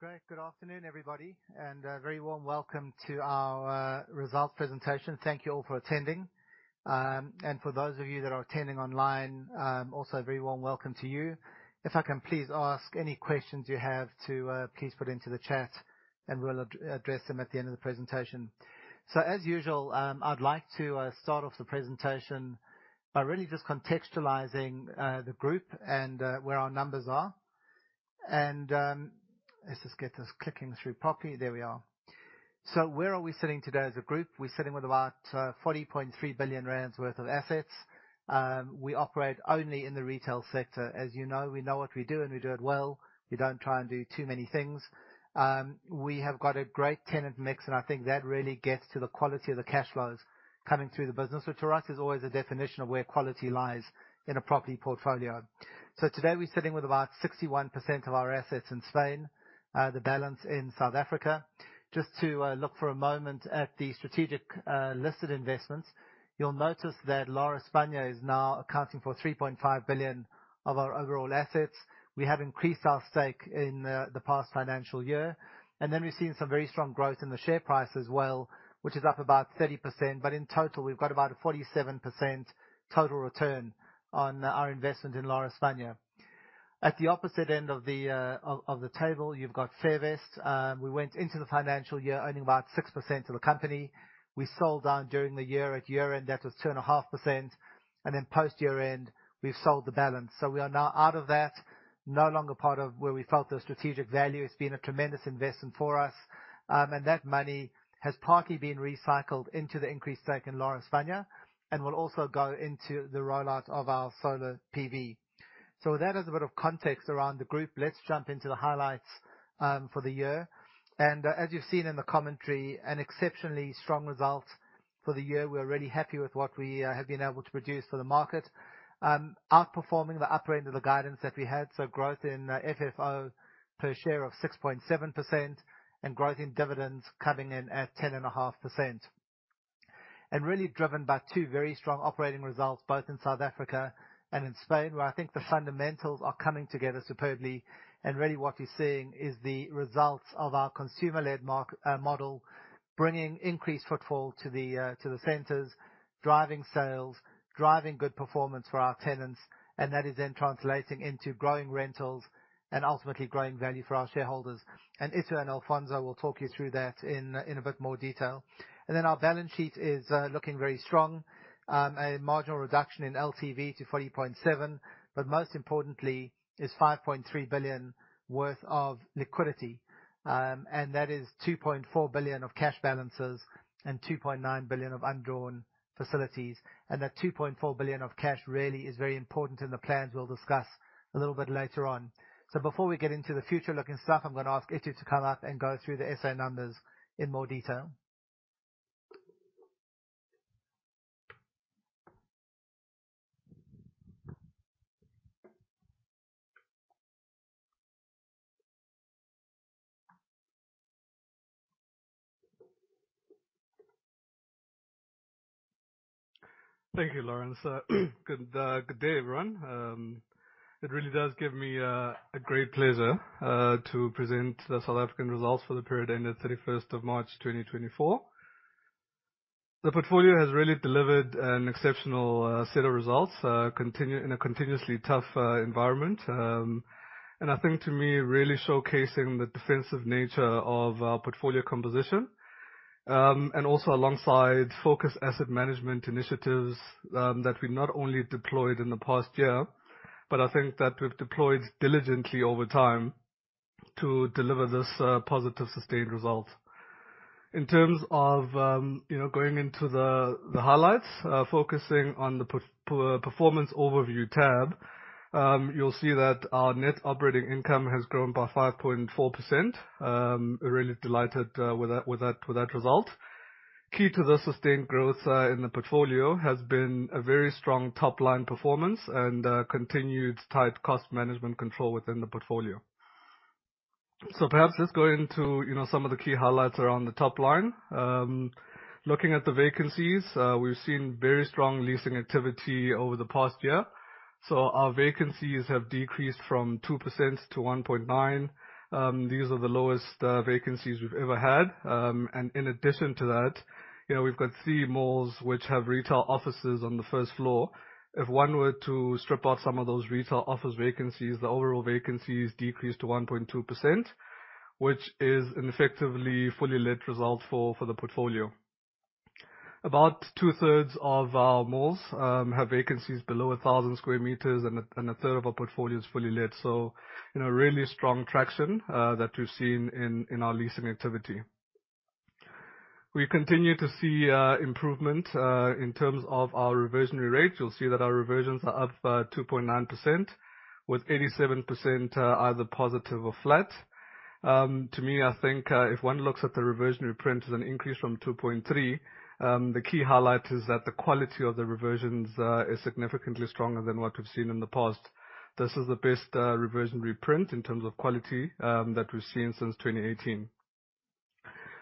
Great. Good afternoon, everybody, a very warm welcome to our results presentation. Thank you all for attending. For those of you that are attending online, also a very warm welcome to you. If I can please ask any questions you have to please put into the chat and we'll address them at the end of the presentation. As usual, I'd like to start off the presentation by really just contextualizing the group and where our numbers are. Let's just get this clicking through properly. There we are. Where are we sitting today as a group? We're sitting with about 40.3 billion rand worth of assets. We operate only in the retail sector. As you know, we know what we do, and we do it well. We don't try and do too many things. We have got a great tenant mix, and I think that really gets to the quality of the cash flows coming through the business, which to us is always a definition of where quality lies in a property portfolio. Today, we're sitting with about 61% of our assets in Spain, the balance in South Africa. Just to look for a moment at the strategic listed investments, you'll notice that Lar España is now accounting for 3.5 billion of our overall assets. We have increased our stake in the past financial year, and then we've seen some very strong growth in the share price as well, which is up about 30%. In total, we've got about a 47% total return on our investment in Lar España. At the opposite end of the table, you've got Servest. We went into the financial year owning about 6% of the company. We sold down during the year. At year-end, that was 2.5%, and then post year-end, we've sold the balance. We are now out of that, no longer part of where we felt the strategic value. It's been a tremendous investment for us, and that money has partly been recycled into the increased stake in Lar España and will also go into the rollout of our solar PV. With that as a bit of context around the group, let's jump into the highlights for the year. As you've seen in the commentary, an exceptionally strong result for the year. We're really happy with what we have been able to produce for the market. Outperforming the upper end of the guidance that we had, so growth in FFO per share of 6.7% and growth in dividends coming in at 10.5%. Really driven by 2 very strong operating results, both in South Africa and in Spain, where I think the fundamentals are coming together superbly. Really what you're seeing is the results of our consumer-led model, bringing increased footfall to the centers, driving sales, driving good performance for our tenants, and that is then translating into growing rentals and ultimately growing value for our shareholders. Itumeleng Mothibeli will talk you through that in a bit more detail. Our balance sheet is looking very strong. A marginal reduction in LTV to 40.7%. Most importantly is 5.3 billion worth of liquidity. That is 2.4 billion of cash balances and 2.9 billion of undrawn facilities. That 2.4 billion of cash really is very important in the plans we'll discuss a little bit later on. Before we get into the future-looking stuff, I'm gonna ask Itumeleng to come up and go through the SA numbers in more detail. Thank you, Lawrence. Good day, everyone. It really does give me a great pleasure to present the South African results for the period ending 31st of March, 2024. The portfolio has really delivered an exceptional set of results in a continuously tough environment. I think to me, really showcasing the defensive nature of our portfolio composition. Also alongside focused asset management initiatives that we not only deployed in the past year, but I think that we've deployed diligently over time to deliver this positive, sustained result. In terms of, you know, going into the highlights, focusing on the performance overview tab, you'll see that our net operating income has grown by 5.4%. We're really delighted with that result. Key to the sustained growth in the portfolio has been a very strong top-line performance and continued tight cost management control within the portfolio. Perhaps let's go into, you know, some of the key highlights around the top line. Looking at the vacancies, we've seen very strong leasing activity over the past year. Our vacancies have decreased from 2% to 1.9%. These are the lowest vacancies we've ever had. And in addition to that, you know, we've got 3 malls which have retail offices on the first floor. If one were to strip out some of those retail office vacancies, the overall vacancy is decreased to 1.2%, which is an effectively fully let result for the portfolio. About 2/3 of our malls have vacancies below 1,000 square meters, and a third of our portfolio is fully let. You know, really strong traction that we've seen in our leasing activity. We continue to see improvement in terms of our reversionary rates. You'll see that our reversions are up 2.9% with 87% either positive or flat. To me, I think if one looks at the reversion reprint as an increase from 2.3%, the key highlight is that the quality of the reversions is significantly stronger than what we've seen in the past. This is the best reversion reprint in terms of quality that we've seen since 2018.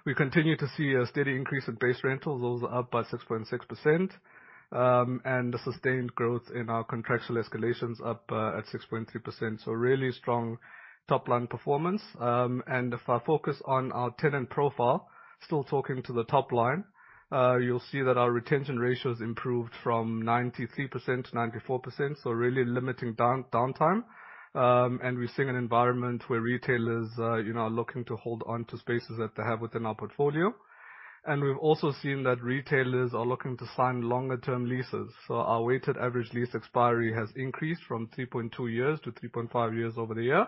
We continue to see a steady increase in base rentals. Those are up by 6.6%, and a sustained growth in our contractual escalations up at 6.3%. Really strong top line performance. If I focus on our tenant profile, still talking to the top line, you'll see that our retention ratios improved from 93% to 94%, so really limiting downtime. We're seeing an environment where retailers, you know, are looking to hold on to spaces that they have within our portfolio. We've also seen that retailers are looking to sign longer term leases. Our weighted average lease expiry has increased from 3.2 years to 3.5 years over the year,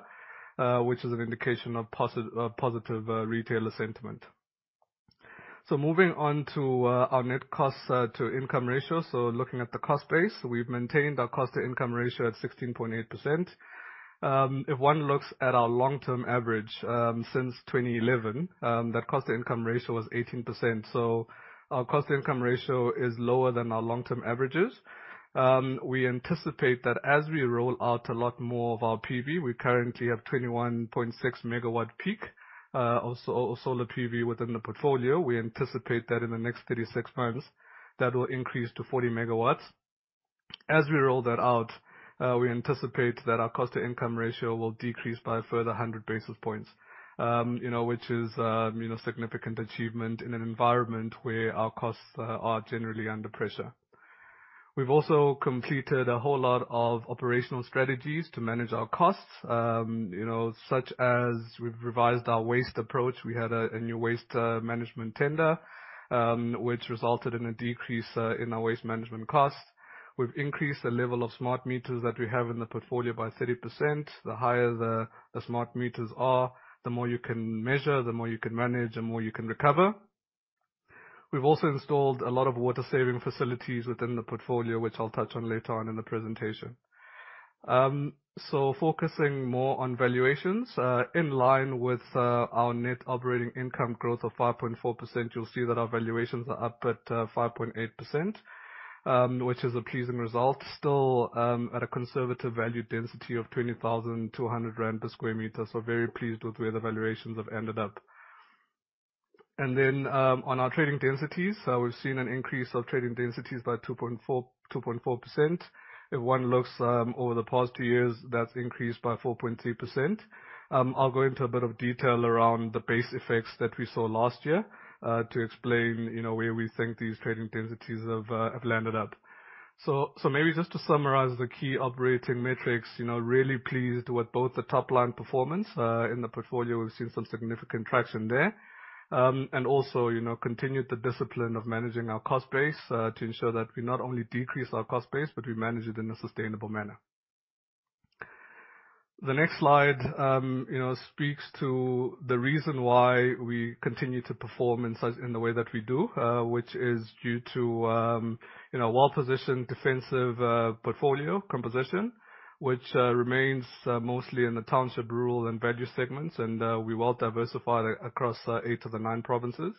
which is an indication of positive retailer sentiment. Moving on to our net costs to income ratio. Looking at the cost base, we've maintained our cost to income ratio at 16.8%. If one looks at our long term average, since 2011, that cost to income ratio was 18%. Our cost to income ratio is lower than our long term averages. We anticipate that as we roll out a lot more of our PV, we currently have 21.6 megawatt peak of solar PV within the portfolio. We anticipate that in the next 36 months, that will increase to 40 MW. As we roll that out, we anticipate that our cost to income ratio will decrease by a further 100 basis points. You know, which is, you know, significant achievement in an environment where our costs are generally under pressure. We've also completed a whole lot of operational strategies to manage our costs, you know, such as we've revised our waste approach. We had a new waste management tender, which resulted in a decrease in our waste management costs. We've increased the level of smart meters that we have in the portfolio by 30%. The higher the smart meters are, the more you can measure, the more you can manage, the more you can recover. We've also installed a lot of water saving facilities within the portfolio, which I'll touch on later on in the presentation. Focusing more on valuations, in line with our net operating income growth of 5.4%, you'll see that our valuations are up at 5.8%, which is a pleasing result. Still, at a conservative value density of 20,200 rand per square meter. Very pleased with where the valuations have ended up. On our trading densities, we've seen an increase of trading densities by 2.4%. If one looks, over the past 2 years, that's increased by 4.3%. I'll go into a bit of detail around the base effects that we saw last year, to explain, you know, where we think these trading densities have landed up. Maybe just to summarize the key operating metrics, you know, really pleased with both the top line performance, in the portfolio, we've seen some significant traction there. Also, you know, continued the discipline of managing our cost base, to ensure that we not only decrease our cost base, but we manage it in a sustainable manner. The next slide, you know, speaks to the reason why we continue to perform in such, in the way that we do, which is due to, you know, well-positioned defensive, portfolio composition, which remains mostly in the township, rural and value segments. We well diversified across 8 of the 9 provinces.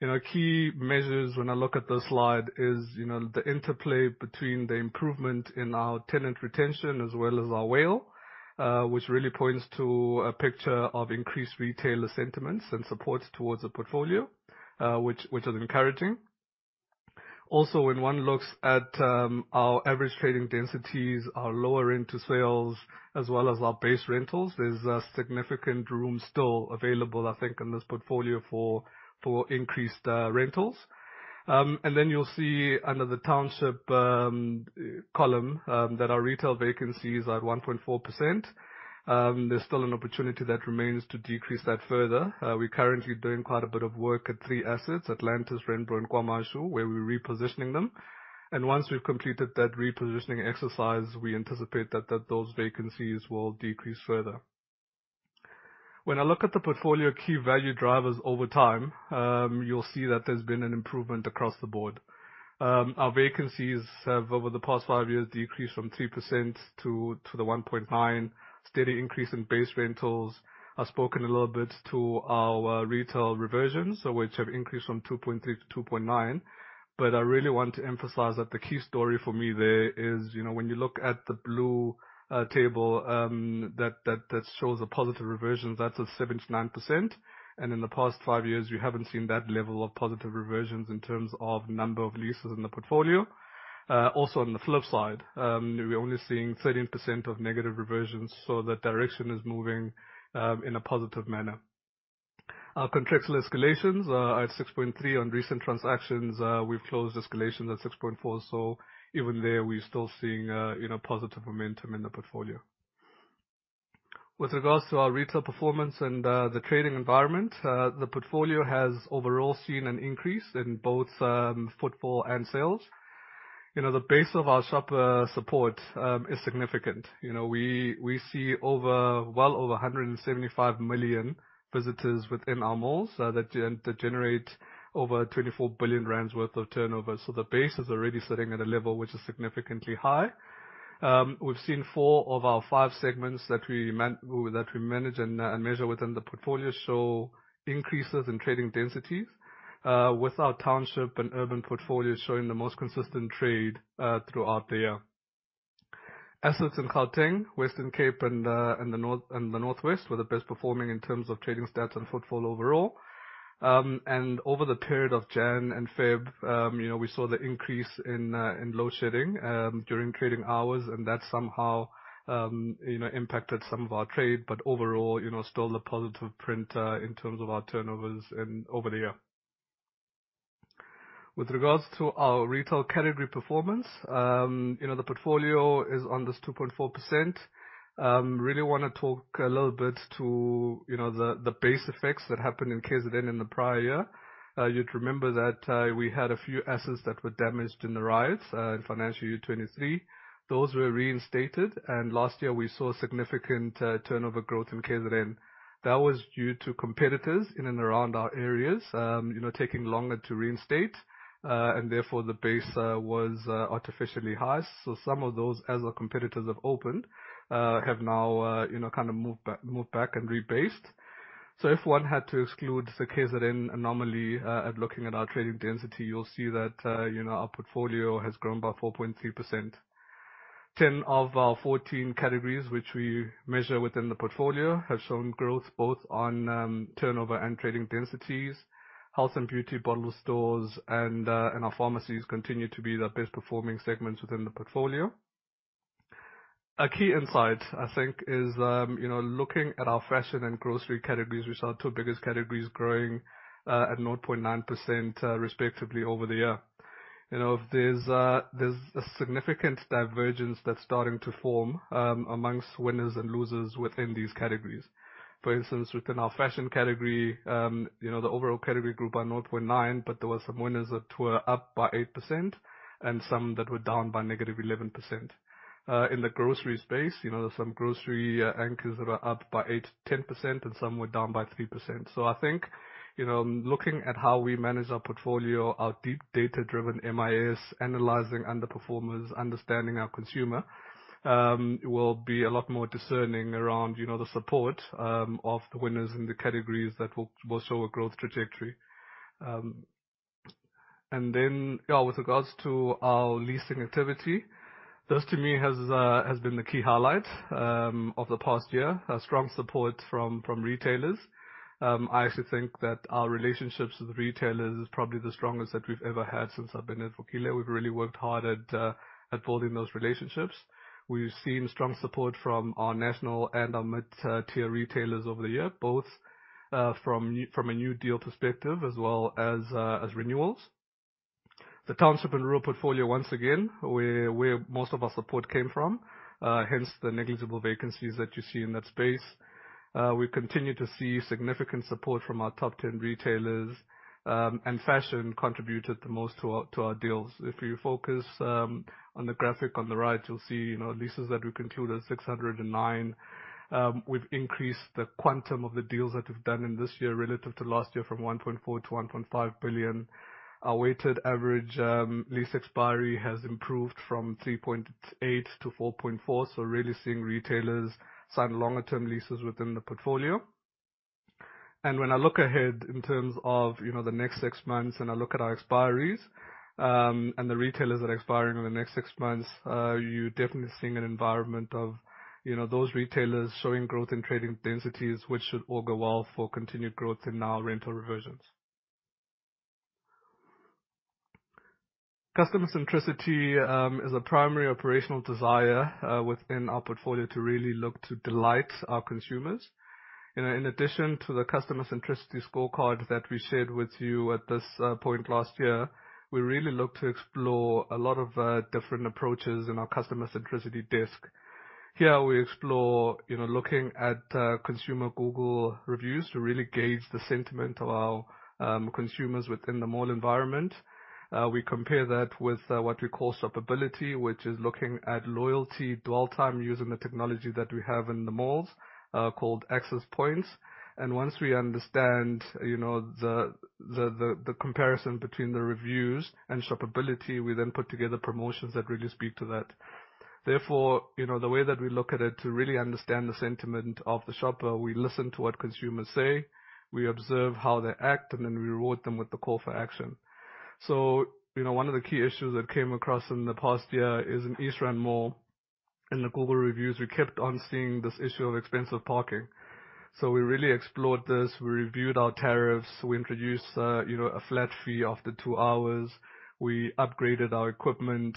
You know, key measures when I look at this slide is, you know, the interplay between the improvement in our tenant retention as well as our WALE, which really points to a picture of increased retailer sentiments and supports towards the portfolio, which is encouraging. Also, when one looks at our average trading densities, our lower end to sales, as well as our base rentals, there's significant room still available, I think, in this portfolio for increased rentals. Then you'll see under the township column that our retail vacancy is at 1.4%. There's still an opportunity that remains to decrease that further. We're currently doing quite a bit of work at 3 assets, Atlantis, Renbren, KwaMashu, where we're repositioning them. Once we've completed that repositioning exercise, we anticipate that those vacancies will decrease further. When I look at the portfolio key value drivers over time, you'll see that there's been an improvement across the board. Our vacancies have over the past 5 years, decreased from 3% to the 1.9%. Steady increase in base rentals. I've spoken a little bit to our retail reversions, which have increased from 2.3% to 2.9%. I really want to emphasize that the key story for me there is, when you look at the blue table, that shows a positive reversion, that's at 79%. In the past 5 years, we haven't seen that level of positive reversions in terms of number of leases in the portfolio. Also on the flip side, we're only seeing 13% of negative reversions, the direction is moving in a positive manner. Our contractual escalations at 6.3%. On recent transactions, we've closed escalations at 6.4%. Even there, we're still seeing positive momentum in the portfolio. With regards to our retail performance and the trading environment, the portfolio has overall seen an increase in both footfall and sales. You know, the base of our shopper support is significant. You know, we see over, well over 175 million visitors within our malls that generate over 24 billion rand worth of turnover. The base is already sitting at a level which is significantly high. We've seen 4 of our 5 segments that we manage and measure within the portfolio show increases in trading densities with our township and urban portfolios showing the most consistent trade throughout the year. Assets in Gauteng, Western Cape, and the Northwest were the best performing in terms of trading stats and footfall overall. Over the period of Jan and Feb, you know, we saw the increase in load shedding during trading hours, and that somehow, you know, impacted some of our trade, but overall, you know, still a positive print in terms of our turnovers and over the year. With regards to our retail category performance, you know, the portfolio is under 2.4%. Really wanna talk a little bit to, you know, the base effects that happened in KZN in the prior year. You'd remember that we had a few assets that were damaged in the riots in financial year 2023. Those were reinstated, last year we saw significant turnover growth in KZN. That was due to competitors in and around our areas, you know, taking longer to reinstate, and therefore the base was artificially high. Some of those, as our competitors have opened, have now, you know, kind of moved back and rebased. If one had to exclude the KZN anomaly, at looking at our trading density, you'll see that, you know, our portfolio has grown by 4.3%. 10 of our 14 categories, which we measure within the portfolio, have shown growth both on turnover and trading densities. Health and beauty, bottle stores and our pharmacies continue to be the best performing segments within the portfolio. A key insight, I think, is, you know, looking at our fashion and grocery categories, which are our 2 biggest categories, growing at 0.9%, respectively over the year. You know, there's a significant divergence that's starting to form amongst winners and losers within these categories. For instance, within our fashion category, you know, the overall category grew by 0.9%, but there were some winners that were up by 8% and some that were down by -11%. In the grocery space, you know, there's some grocery anchors that are up by 8%-10%, and some were down by 3%. I think, you know, looking at how we manage our portfolio, our deep data-driven MIS, analyzing underperformers, understanding our consumer, will be a lot more discerning around, you know, the support of the winners in the categories that will show a growth trajectory. Yeah, with regards to our leasing activity, this to me has been the key highlight of the past year. Strong support from retailers. I actually think that our relationships with retailers is probably the strongest that we've ever had since I've been at Vukile. We've really worked hard at building those relationships. We've seen strong support from our national and our mid-tier retailers over the year, both from a new deal perspective as well as renewals. The township and rural portfolio, once again, where most of our support came from, hence the negligible vacancies that you see in that space. We continue to see significant support from our top 10 retailers, and fashion contributed the most to our deals. If you focus on the graphic on the right, you'll see, you know, leases that we concluded, 609. We've increased the quantum of the deals that we've done in this year relative to last year from 1.4 billion to 1.5 billion. Our weighted average lease expiry has improved from 3.8 to 4.4. Really seeing retailers sign longer term leases within the portfolio. When I look ahead in terms of, you know, the next 6 months, and I look at our expiries, and the retailers that are expiring in the next 6 months, you're definitely seeing an environment of, you know, those retailers showing growth in trading densities, which should all go well for continued growth in our rental reversions. Customer centricity is a primary operational desire within our portfolio to really look to delight our consumers. You know, in addition to the customer centricity scorecard that we shared with you at this point last year, we really look to explore a lot of different approaches in our customer centricity desk. Here we explore, you know, looking at consumer Google reviews to really gauge the sentiment of our consumers within the mall environment. We compare that with, what we call shoppability, which is looking at loyalty, dwell time using the technology that we have in the malls, called access points. Once we understand, you know, the comparison between the reviews and shoppability, we then put together promotions that really speak to that. You know, the way that we look at it, to really understand the sentiment of the shopper, we listen to what consumers say, we observe how they act, and then we reward them with the call for action. You know, one of the key issues that came across in the past year is in East Rand Mall. In the Google reviews, we kept on seeing this issue of expensive parking. We really explored this. We reviewed our tariffs. We introduced, you know, a flat fee after 2 hours. We upgraded our equipment.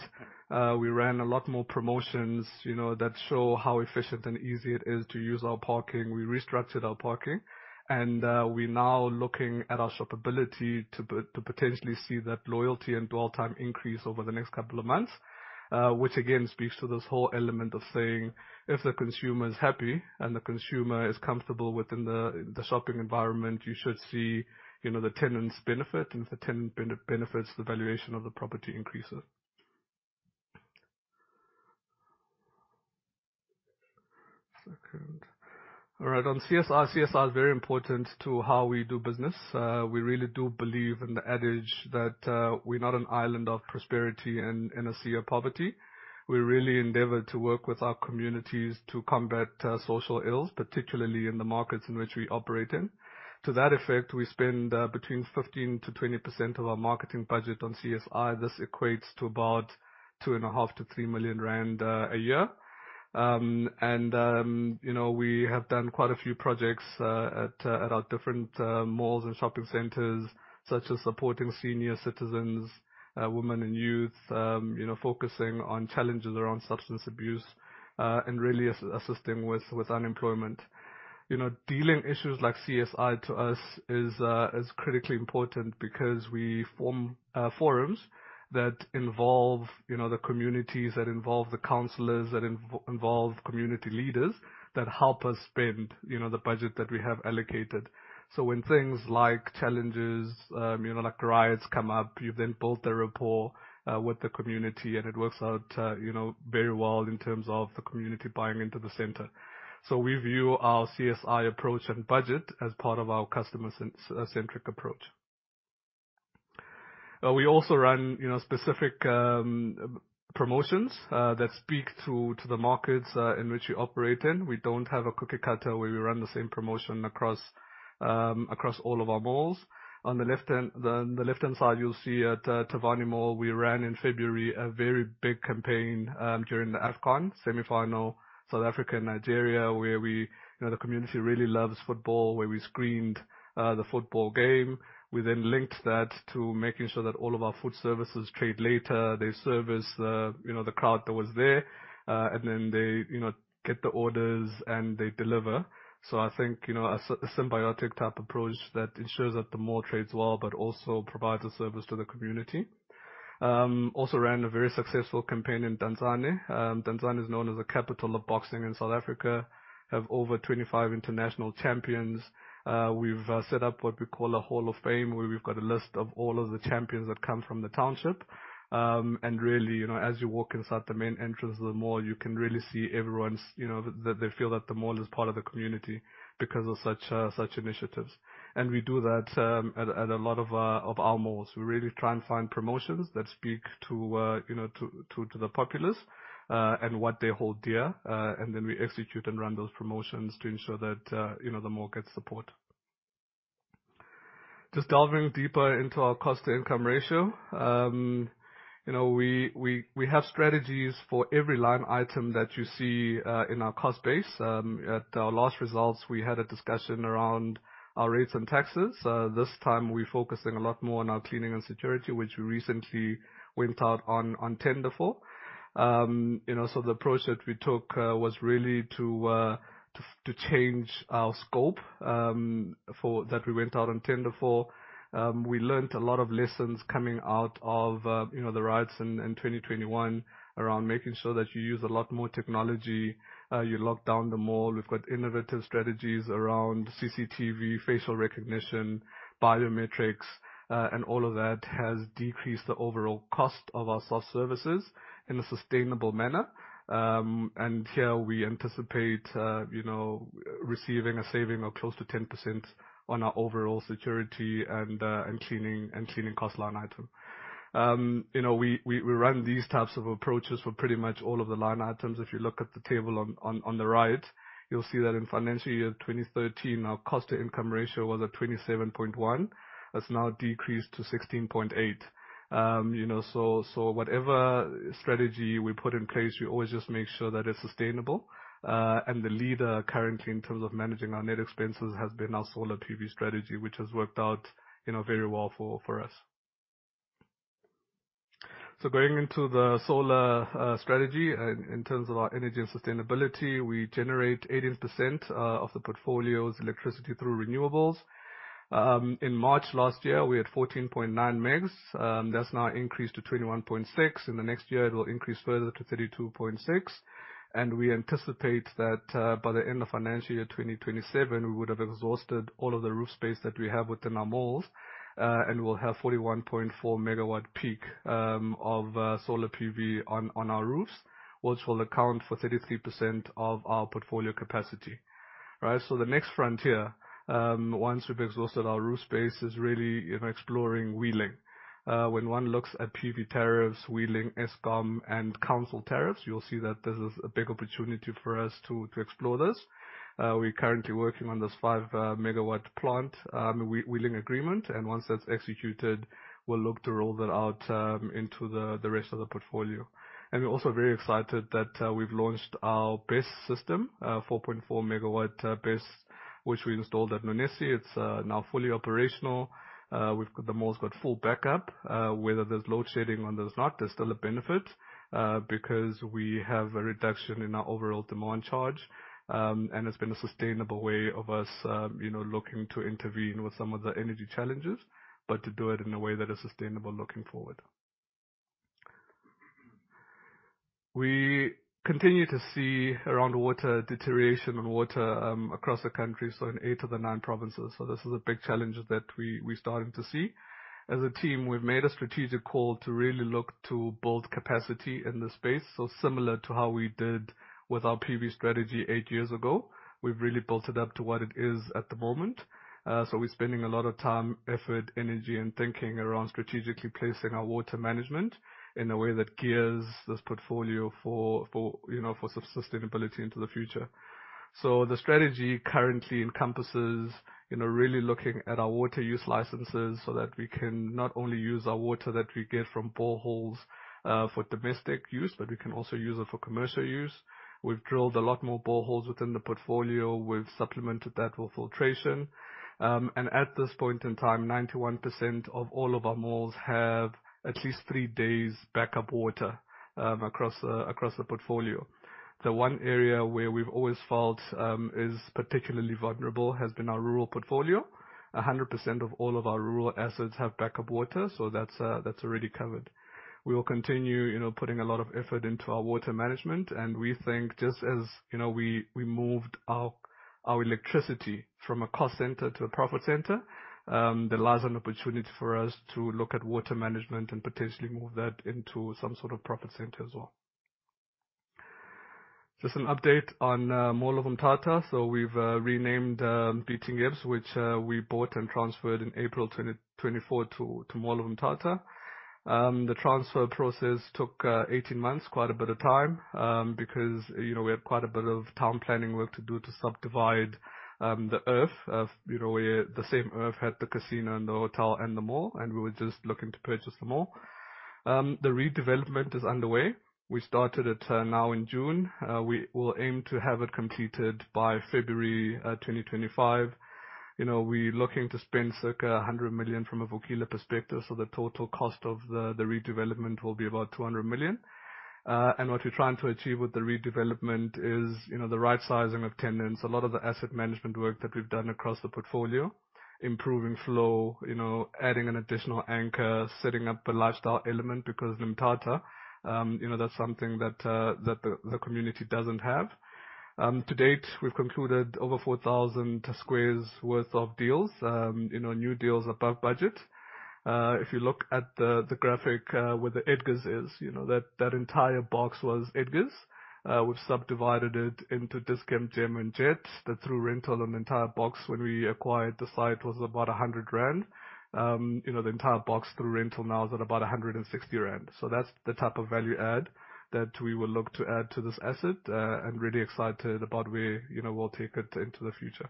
We ran a lot more promotions, you know, that show how efficient and easy it is to use our parking. We restructured our parking and we're now looking at our shoppability to potentially see that loyalty and dwell time increase over the next couple of months. Which again speaks to this whole element of saying, if the consumer is happy and the consumer is comfortable within the shopping environment, you should see, you know, the tenants benefit, and if the tenant benefits, the valuation of the property increases. Second. All right. On CSR. CSR is very important to how we do business. We really do believe in the adage that we're not an island of prosperity in a sea of poverty. We really endeavor to work with our communities to combat social ills, particularly in the markets in which we operate in. To that effect, we spend 15%-20% of our marketing budget on CSR. This equates to about 2.5 million-3 million rand a year. You know, we have done quite a few projects at our different malls and shopping centers, such as supporting senior citizens, women and youth, focusing on challenges around substance abuse, and really assisting with unemployment. You know, dealing issues like CSI to us is critically important because we form forums that involve, you know, the communities, that involve the counselors, that involve community leaders that help us spend, you know, the budget that we have allocated. When things like challenges, you know, like riots come up, you've then built a rapport with the community and it works out, you know, very well in terms of the community buying into the center. We view our CSI approach and budget as part of our customer-centric approach. We also run, you know, specific promotions that speak to the markets in which we operate in. We don't have a cookie cutter where we run the same promotion across all of our malls. On the left-hand side, you'll see at Thavhani Mall, we ran in February a very big campaign during the AFCON semifinal, South Africa and Nigeria. You know, the community really loves football, where we screened the football game. We linked that to making sure that all of our food services trade later. They service, you know, the crowd that was there, and they, you know, get the orders and they deliver. I think, you know, a symbiotic type approach that ensures that the mall trades well, but also provides a service to the community. Also ran a very successful campaign in Tzaneen. Tzaneen is known as the capital of boxing in South Africa. Have over 25 international champions. We've set up what we call a hall of fame, where we've got a list of all of the champions that come from the township. Really, you know, as you walk inside the main entrance of the mall, you can really see everyone's, you know, that they feel that the mall is part of the community because of such such initiatives. We do that at a lot of our malls. We really try and find promotions that speak to, you know, the populace and what they hold dear. We execute and run those promotions to ensure that, you know, the mall gets support. Just delving deeper into our cost-to-income ratio. You know, we have strategies for every line item that you see in our cost base. At our last results, we had a discussion around our rates and taxes. This time we're focusing a lot more on our cleaning and security, which we recently went out on tender for. You know, the approach that we took was really to change our scope that we went out on tender for. We learned a lot of lessons coming out of, you know, the riots in 2021 around making sure that you use a lot more technology, you lock down the mall. We've got innovative strategies around CCTV, facial recognition, biometrics, and all of that has decreased the overall cost of our soft services in a sustainable manner. Here we anticipate, you know, receiving a saving of close to 10% on our overall security and cleaning cost line item. You know, we run these types of approaches for pretty much all of the line items. If you look at the table on the right, you'll see that in financial year 2013, our cost-to-income ratio was at 27.1%. That's now decreased to 16.8%. You know, whatever strategy we put in place, we always just make sure that it's sustainable. The leader currently in terms of managing our net expenses has been our solar PV strategy, which has worked out, you know, very well for us. Going into the solar strategy in terms of our energy and sustainability, we generate 18% of the portfolio's electricity through renewables. In March last year, we had 14.9 megs. That's now increased to 21.6. In the next year it will increase further to 32.6, and we anticipate that by the end of financial year 2027, we would have exhausted all of the roof space that we have within our malls, and we'll have 41.4 megawatt peak of solar PV on our roofs, which will account for 33% of our portfolio capacity. Right. The next frontier, once we've exhausted our roof space, is really, you know, exploring wheeling. When one looks at PV tariffs, wheeling, Eskom and council tariffs, you'll see that this is a big opportunity for us to explore this. We're currently working on this 5 megawatt plant wheeling agreement, and once that's executed, we'll look to roll that out into the rest of the portfolio. We're also very excited that we've launched our BESS system, 4.4 megawatt BESS, which we installed at Nonesi. It's now fully operational. The mall's got full backup. Whether there's load shedding or there's not, there's still a benefit because we have a reduction in our overall demand charge. It's been a sustainable way of us, you know, looking to intervene with some of the energy challenges, but to do it in a way that is sustainable looking forward. We continue to see around water deterioration and water across the country, so in 8 of the 9 provinces. This is a big challenge that we're starting to see. As a team, we've made a strategic call to really look to build capacity in this space. Similar to how we did with our PV strategy 8 years ago, we've really built it up to what it is at the moment. We're spending a lot of time, effort, energy, and thinking around strategically placing our water management in a way that gears this portfolio for, you know, for sustainability into the future. The strategy currently encompasses, you know, really looking at our water use licenses so that we can not only use our water that we get from boreholes, for domestic use, but we can also use it for commercial use. We've drilled a lot more boreholes within the portfolio. We've supplemented that with filtration. And at this point in time, 91% of all of our malls have at least 3 days backup water, across the portfolio. The one area where we've always felt is particularly vulnerable has been our rural portfolio. 100% of all of our rural assets have backup water, so that's already covered. We will continue, you know, putting a lot of effort into our water management, and we think, just as, you know, we moved our electricity from a cost center to a profit center, there lies an opportunity for us to look at water management and potentially move that into some sort of profit center as well. Just an update on Mall of Mthatha. We've renamed BT Ngebs City, which we bought and transferred in April 2024 to Mall of Mthatha. The transfer process took 18 months, quite a bit of time, because, you know, we had quite a bit of town planning work to do to subdivide the earth of, you know, where the same earth had the casino and the hotel and the mall, and we were just looking to purchase the mall. The redevelopment is underway. We started it now in June. We will aim to have it completed by February 2025. You know, we're looking to spend circa 100 million from a Vukile perspective, the total cost of the redevelopment will be about 200 million. What we're trying to achieve with the redevelopment is, you know, the right sizing of tenants, a lot of the asset management work that we've done across the portfolio, improving flow, you know, adding an additional anchor, setting up a lifestyle element, because in Umtata, you know, that's something that the community doesn't have. To date, we've concluded over 4,000 squares worth of deals, you know, new deals above budget. If you look at the graphic, where the Edgars is, you know, that entire box was Edgars. We've subdivided it into Dischem, Game, and Jet. The through rental on the entire box when we acquired the site was about 100 rand. You know, the entire box through rental now is at about 160 rand. That's the type of value add that we will look to add to this asset, and really excited about where, you know, we'll take it into the future.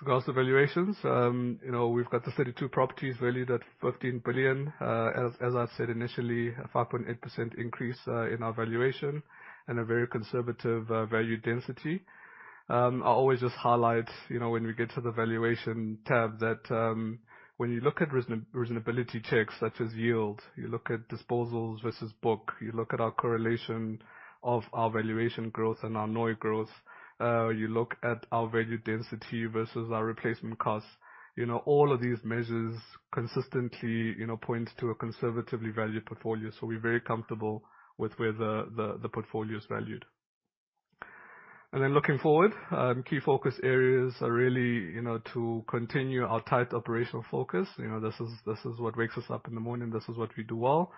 As far as the valuations, you know, we've got the 32 properties valued at 15 billion. As I said initially, a 5.8% increase in our valuation and a very conservative value density. I always just highlight, you know, when we get to the valuation tab that when you look at reasonability checks such as yield, you look at disposals versus book, you look at our correlation of our valuation growth and our NOI growth, you look at our value density versus our replacement costs. You know, all of these measures consistently, you know, point to a conservatively valued portfolio. We're very comfortable with where the portfolio is valued. Looking forward, key focus areas are really, you know, to continue our tight operational focus. You know, this is what wakes us up in the morning. This is what we do well.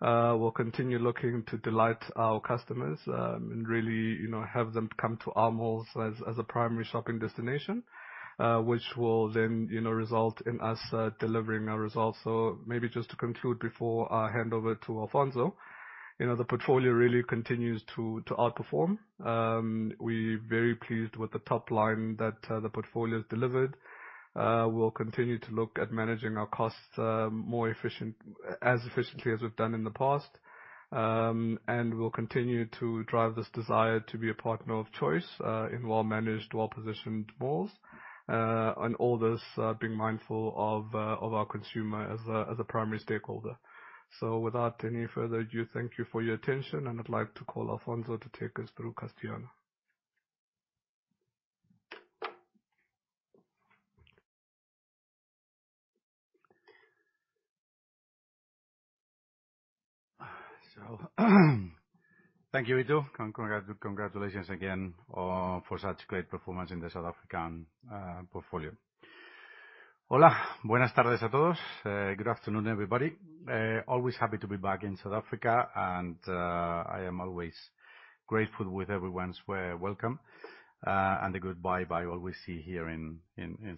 We'll continue looking to delight our customers, and really, you know, have them come to our malls as a primary shopping destination, which will then, you know, result in us delivering our results. Maybe just to conclude before I hand over to Alfonso. You know, the portfolio really continues to outperform. We're very pleased with the top line that the portfolio's delivered. We'll continue to look at managing our costs, more efficient, as efficiently as we've done in the past. We'll continue to drive this desire to be a partner of choice in well-managed, well-positioned malls. All this, being mindful of our consumer as primary stakeholder. Without any further ado, thank you for your attention, and I'd like to call Alfonso to take us through Castellana. Thank you, Vito. Congratulations again for such great performance in the South African portfolio. Hola. Spanish, good afternoon, everybody. always happy to be back in South Africa and I am always grateful with everyone's welcome and the goodbye I always see here in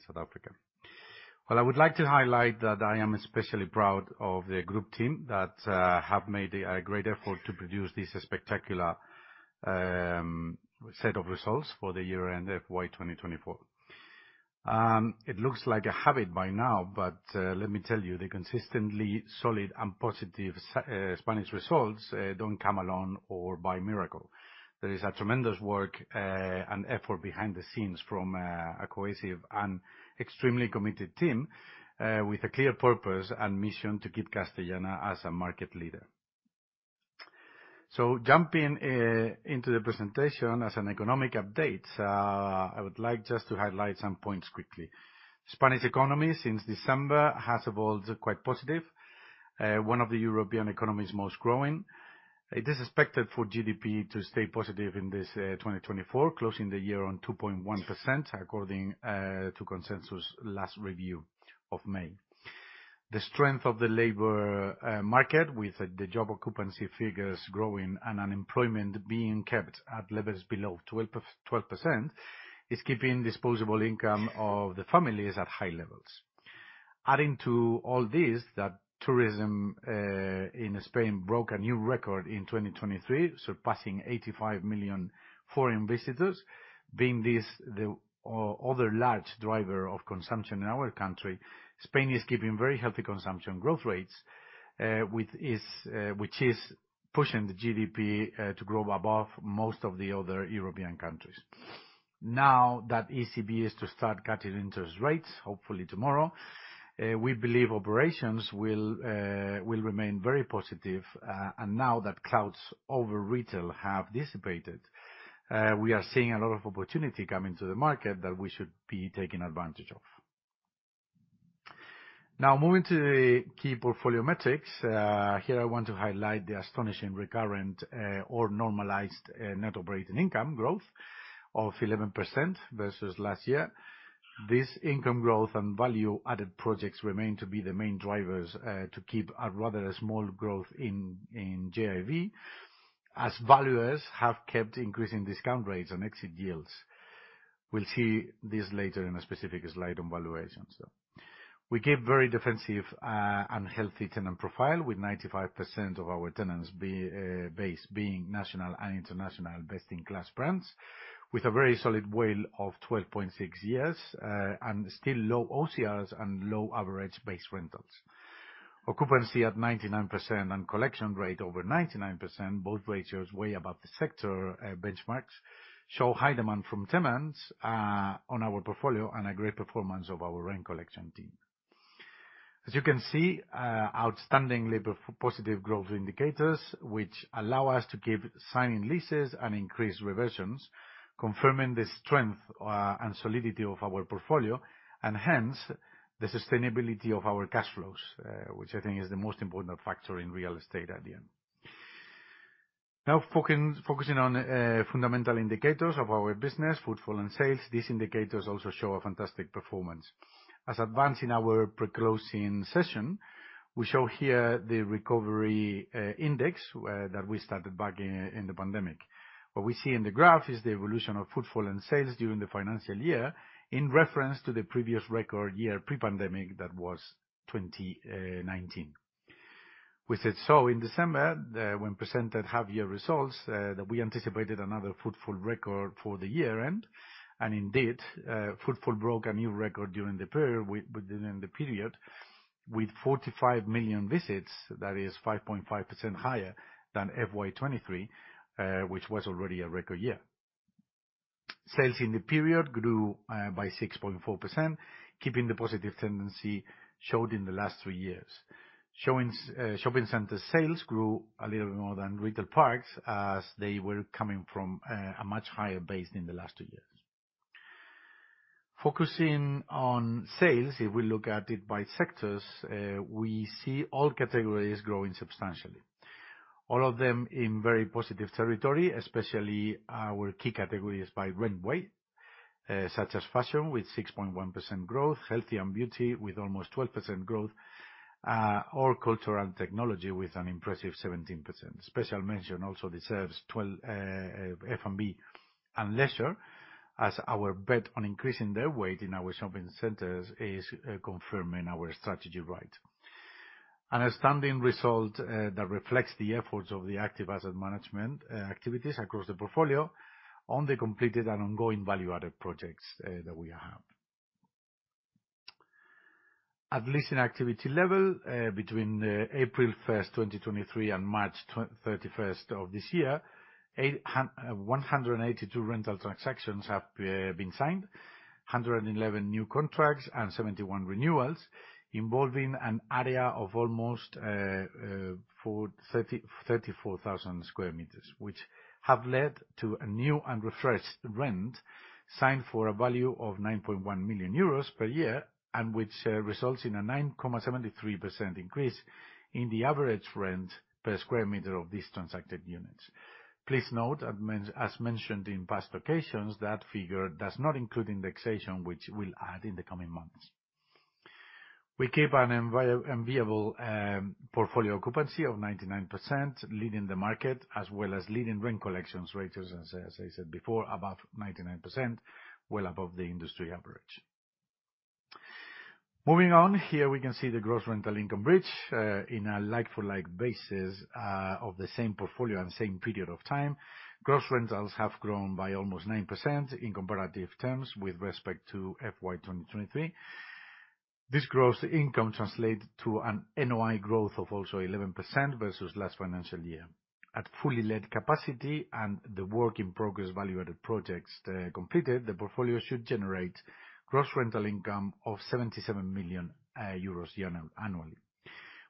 South Africa. I would like to highlight that I am especially proud of the group team that have made a great effort to produce this spectacular set of results for the year-end FY 2024. it looks like a habit by now, let me tell you, the consistently solid and positive Spanish results don't come along or by miracle. There is a tremendous work and effort behind the scenes from a cohesive and extremely committed team with a clear purpose and mission to keep Castellana as a market leader. Jumping into the presentation as an economic update, I would like just to highlight some points quickly. Spanish economy since December has evolved quite positive. One of the European economies most growing. It is expected for GDP to stay positive in this 2024, closing the year on 2.1% according to consensus last review of May. The strength of the labor market, with the job occupancy figures growing and unemployment being kept at levels below 12%, is keeping disposable income of the families at high levels. Adding to all this, that tourism in Spain broke a new record in 2023, surpassing 85 million foreign visitors. Being this the other large driver of consumption in our country, Spain is keeping very healthy consumption growth rates, which is pushing the GDP to grow above most of the other European countries. Now that ECB is to start cutting interest rates, hopefully tomorrow, we believe operations will remain very positive. Now that clouds over retail have dissipated, we are seeing a lot of opportunity coming to the market that we should be taking advantage of. Now moving to the key portfolio metrics. Here I want to highlight the astonishing recurrent or normalized net operating income growth of 11% versus last year. This income growth and value-added projects remain to be the main drivers to keep a rather small growth in GAV, as valuers have kept increasing discount rates and exit yields. We'll see this later in a specific slide on valuations. We keep very defensive and healthy tenant profile, with 95% of our tenants base being national and international best-in-class brands, with a very solid WALE of 12.6 years, and still low OCRs and low average base rentals. Occupancy at 99% and collection rate over 99%, both ratios way above the sector benchmarks, show high demand from tenants on our portfolio and a great performance of our rent collection team. As you can see, outstandingly positive growth indicators, which allow us to keep signing leases and increase reversions, confirming the strength and solidity of our portfolio and hence the sustainability of our cash flows, which I think is the most important factor in real estate at the end. Now focusing on fundamental indicators of our business, footfall and sales. These indicators also show a fantastic performance. As advanced in our pre-closing session, we show here the recovery index that we started back in the pandemic. What we see in the graph is the evolution of footfall and sales during the financial year in reference to the previous record year pre-pandemic, that was 2019. We said so in December when presented half-year results that we anticipated another footfall record for the year end. Indeed, footfall broke a new record during the period, within the period, with 45 million visits. That is 5.5% higher than FY 2023, which was already a record year. Sales in the period grew by 6.4%, keeping the positive tendency showed in the last 3 years. Shopping center sales grew a little more than retail parks as they were coming from a much higher base in the last 2 years. Focusing on sales, if we look at it by sectors, we see all categories growing substantially. All of them in very positive territory, especially our key categories by rent weight, such as fashion, with 6.1% growth, healthy and beauty with almost 12% growth, or cultural and technology with an impressive 17%. Special mention also deserves 12, F&B and leisure as our bet on increasing their weight in our shopping centers is confirming our strategy right. An outstanding result that reflects the efforts of the active asset management activities across the portfolio on the completed and ongoing value-added projects that we have. At leasing activity level, between April 1st, 2023 and March 31st of this year, 182 rental transactions have been signed. 111 new contracts and 71 renewals involving an area of almost 34,000 sq m, which have led to a new and refreshed rent signed for a value of 9.1 million euros per year. Which results in a 9.73% increase in the average rent per square meter of these transacted units. Please note, as mentioned in past occasions, that figure does not include indexation, which we'll add in the coming months. We keep an enviable portfolio occupancy of 99%, leading the market, as well as leading rent collections rates, as I said before, above 99%, well above the industry average. Moving on, here we can see the gross rental income bridge, in a like-for-like basis, of the same portfolio and same period of time. Gross rentals have grown by almost 9% in comparative terms with respect to FY 2023. This gross income translate to an NOI growth of also 11% versus last financial year. At fully let capacity and the work in progress value-added projects completed, the portfolio should generate gross rental income of 77 million euros annually.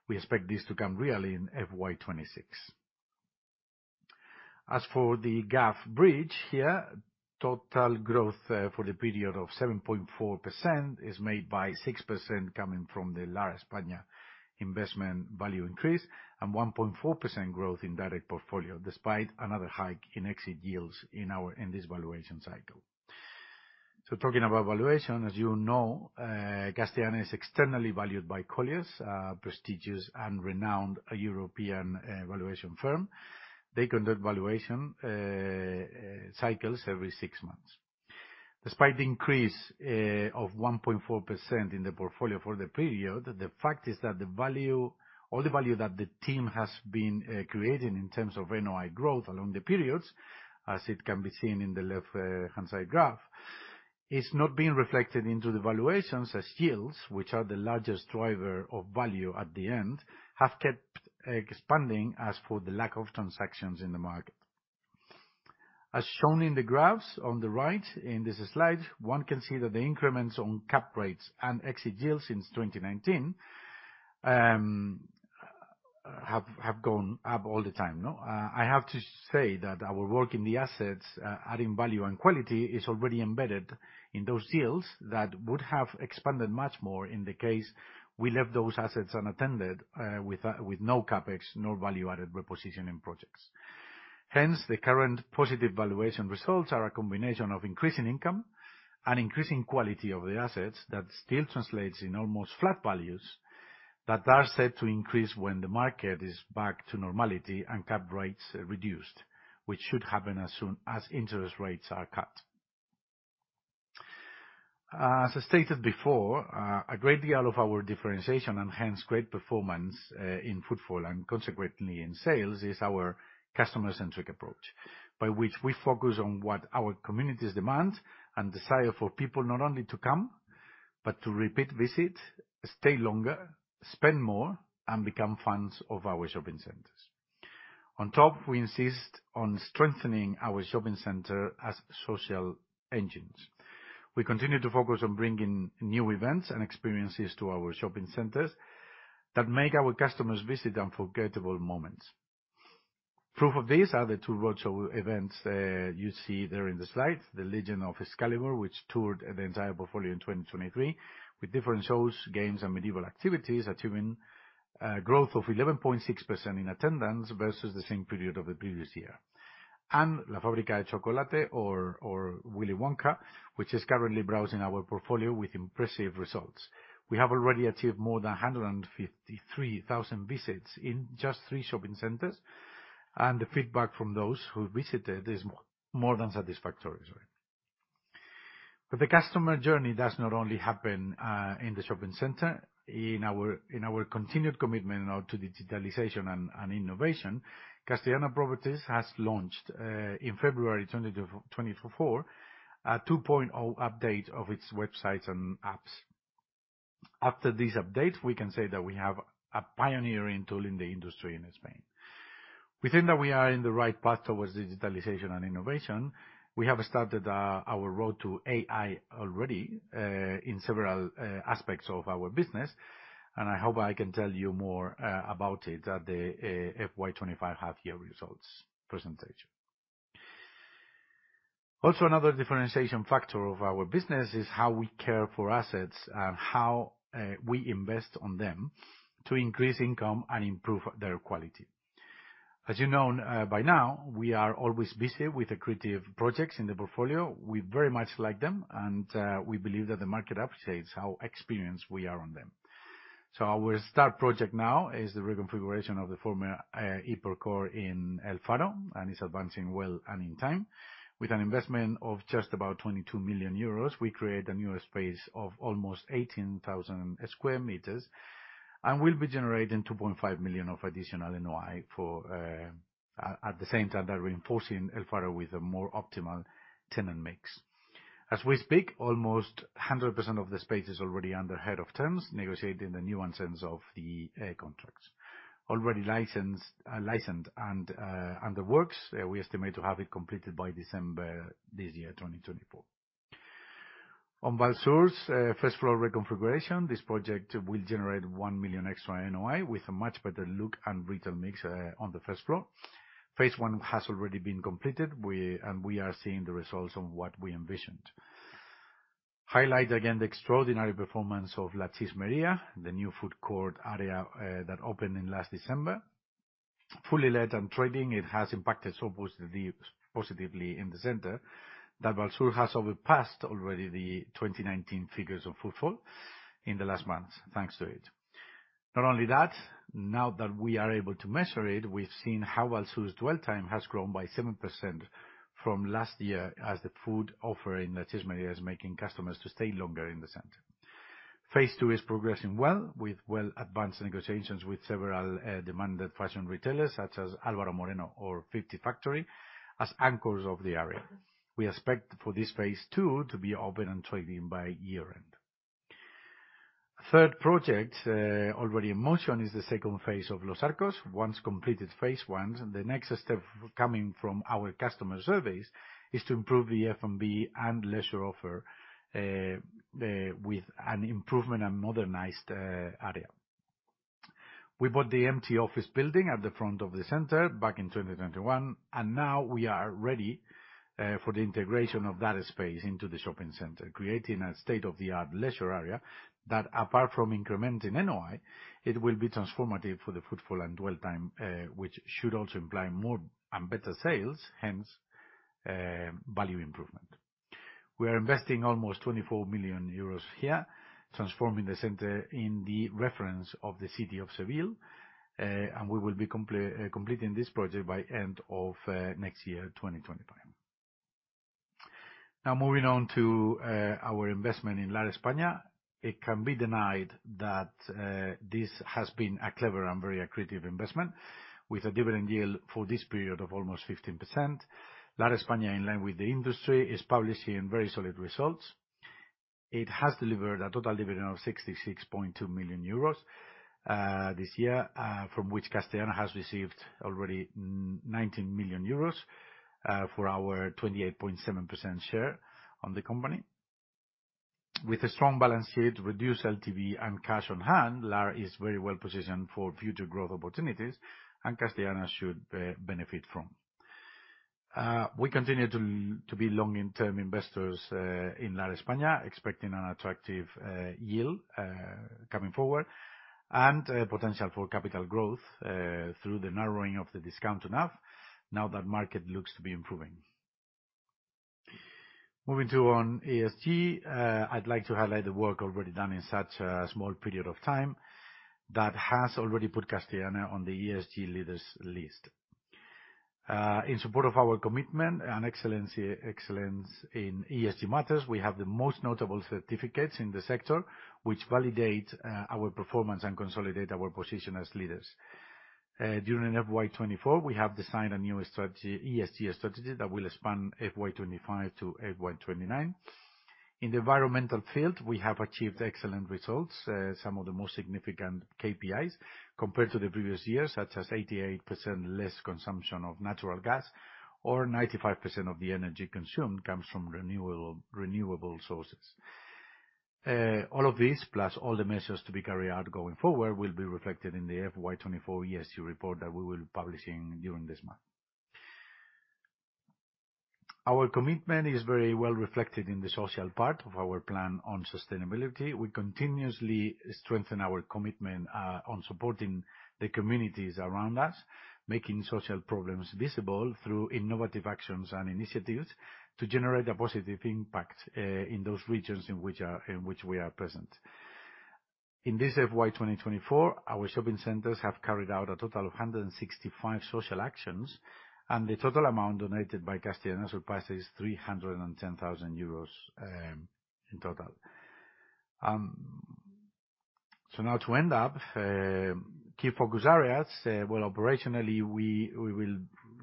We expect this to come real in FY 2026. As for the GAV bridge here, total growth for the period of 7.4% is made by 6% coming from the Lar España investment value increase and 1.4% growth in direct portfolio, despite another hike in exit yields in this valuation cycle. Talking about valuation, as you know, Castellana is externally valued by Colliers, a prestigious and renowned European valuation firm. They conduct valuation cycles every 6 months. Despite the increase of 1.4% in the portfolio for the period, the fact is that the value that the team has been creating in terms of NOI growth along the periods, as it can be seen in the left-hand side graph, is not being reflected into the valuations as yields, which are the largest driver of value at the end, have kept expanding as for the lack of transactions in the market. Shown in the graphs on the right in this slide, one can see that the increments on cap rates and exit yields since 2019 have gone up all the time, no? I have to say that our work in the assets, adding value and quality is already embedded in those deals that would have expanded much more in the case we left those assets unattended, with no CapEx, nor value-added repositioning projects. The current positive valuation results are a combination of increasing income and increasing quality of the assets that still translates in almost flat values that are set to increase when the market is back to normality and cap rates reduced, which should happen as soon as interest rates are cut. As stated before, a great deal of our differentiation, and hence, great performance, in footfall, and consequently in sales, is our customer-centric approach. By which we focus on what our communities demand and desire for people not only to come, but to repeat visit, stay longer, spend more, and become fans of our shopping centers. On top, we insist on strengthening our shopping center as social engines. We continue to focus on bringing new events and experiences to our shopping centers that make our customers visit unforgettable moments. Proof of this are the 2 roadshow events, you see there in the slide. The Legend of Excalibur, which toured the entire portfolio in 2023 with different shows, games, and medieval activities, achieving growth of 11.6% in attendance versus the same period of the previous year. La Fábrica de Chocolate or Willy Wonka, which is currently browsing our portfolio with impressive results. We have already achieved more than 153,000 visits in just 3 shopping centers, and the feedback from those who visited is more than satisfactory as well. The customer journey does not only happen in the shopping center. In our continued commitment now to digitalization and innovation, Castellana Properties has launched in February 2024, a 2.0 update of its websites and apps. After this update, we can say that we have a pioneering tool in the industry in Spain. We think that we are in the right path towards digitalization and innovation. We have started our road to AI already in several aspects of our business, and I hope I can tell you more about it at the FY25 half year results presentation. Another differentiation factor of our business is how we care for assets and how we invest on them to increase income and improve their quality. As you know, by now, we are always busy with the creative projects in the portfolio. We very much like them, we believe that the market appreciates how experienced we are on them. Our start project now is the reconfiguration of the former Hipercor in El Faro, it's advancing well and in time. With an investment of just about 22 million euros, we create a newer space of almost 18,000 square meters and will be generating 2.5 million of additional NOI at the same time by reinforcing El Faro with a more optimal tenant mix. As we speak, almost 100% of the space is already under head of terms, negotiating the nuance terms of the contracts. Already licensed and under works, we estimate to have it completed by December this year, 2024. On Vallsur's first floor reconfiguration, this project will generate 1 million extra NOI with a much better look and retail mix on the first floor. phase I has already been completed. We are seeing the results on what we envisioned. Highlight again, the extraordinary performance of La Chismeria, the new food court area, that opened in last December. Fully led and trading, it has impacted so positively in the center that Vallsur has overpassed already the 2019 figures of footfall in the last months, thanks to it. Not only that, now that we are able to measure it, we've seen how Vallsur's dwell time has grown by 7% from last year as the food offer in La Chismeria is making customers to stay longer in the center. Phase 2 is progressing well, with well-advanced negotiations with several demanded fashion retailers such as Álvaro Moreno or Fifty Factory as anchors of the area. We expect for this phase 2 to be open and trading by year-end. Third project, already in motion, is the second phase of Los Arcos. Once completed phase 1, the next step coming from our customer surveys is to improve the F&B and leisure offer with an improvement and modernized area. We bought the empty office building at the front of the center back in 2021. Now we are ready for the integration of that space into the shopping center. Creating a state-of-the-art leisure area that, apart from incrementing NOI, it will be transformative for the footfall and dwell time, which should also imply more and better sales, hence, value improvement. We are investing almost 24 million euros here, transforming the center in the reference of the city of Seville. We will be completing this project by end of next year, 2025. Now moving on to our investment in Lar España. It can't be denied that this has been a clever and very accretive investment with a dividend yield for this period of almost 15%. Lar España, in line with the industry, is publishing very solid results. It has delivered a total dividend of 66.2 million euros this year, from which Castellana has received already 19 million euros for our 28.7% share on the company. With a strong balance sheet, reduced LTV, and cash on hand, Lar is very well positioned for future growth opportunities and Castellana should benefit from. We continue to be long-term investors in Lar España, expecting an attractive yield coming forward and potential for capital growth through the narrowing of the discount enough now that market looks to be improving. Moving to on ESG, I'd like to highlight the work already done in such a small period of time that has already put Castellana on the ESG leaders list. In support of our commitment and excellency, excellence in ESG matters, we have the most notable certificates in the sector which validate our performance and consolidate our position as leaders. During FY 2024, we have designed a new strategy, ESG strategy, that will span FY 2025 to FY 2029. In the environmental field, we have achieved excellent results. Some of the most significant KPIs compared to the previous years, such as 88% less consumption of natural gas or 95% of the energy consumed comes from renewable sources. All of this, plus all the measures to be carried out going forward, will be reflected in the FY 2024 ESG report that we will publishing during this month. Our commitment is very well reflected in the social part of our plan on sustainability. We continuously strengthen our commitment on supporting the communities around us, making social programs visible through innovative actions and initiatives to generate a positive impact in those regions in which we are present. In this FY 2024, our shopping centers have carried out a total of 165 social actions. The total amount donated by Castellana surpasses 310,000 euros in total. Now to end up, key focus areas, well, operationally, we will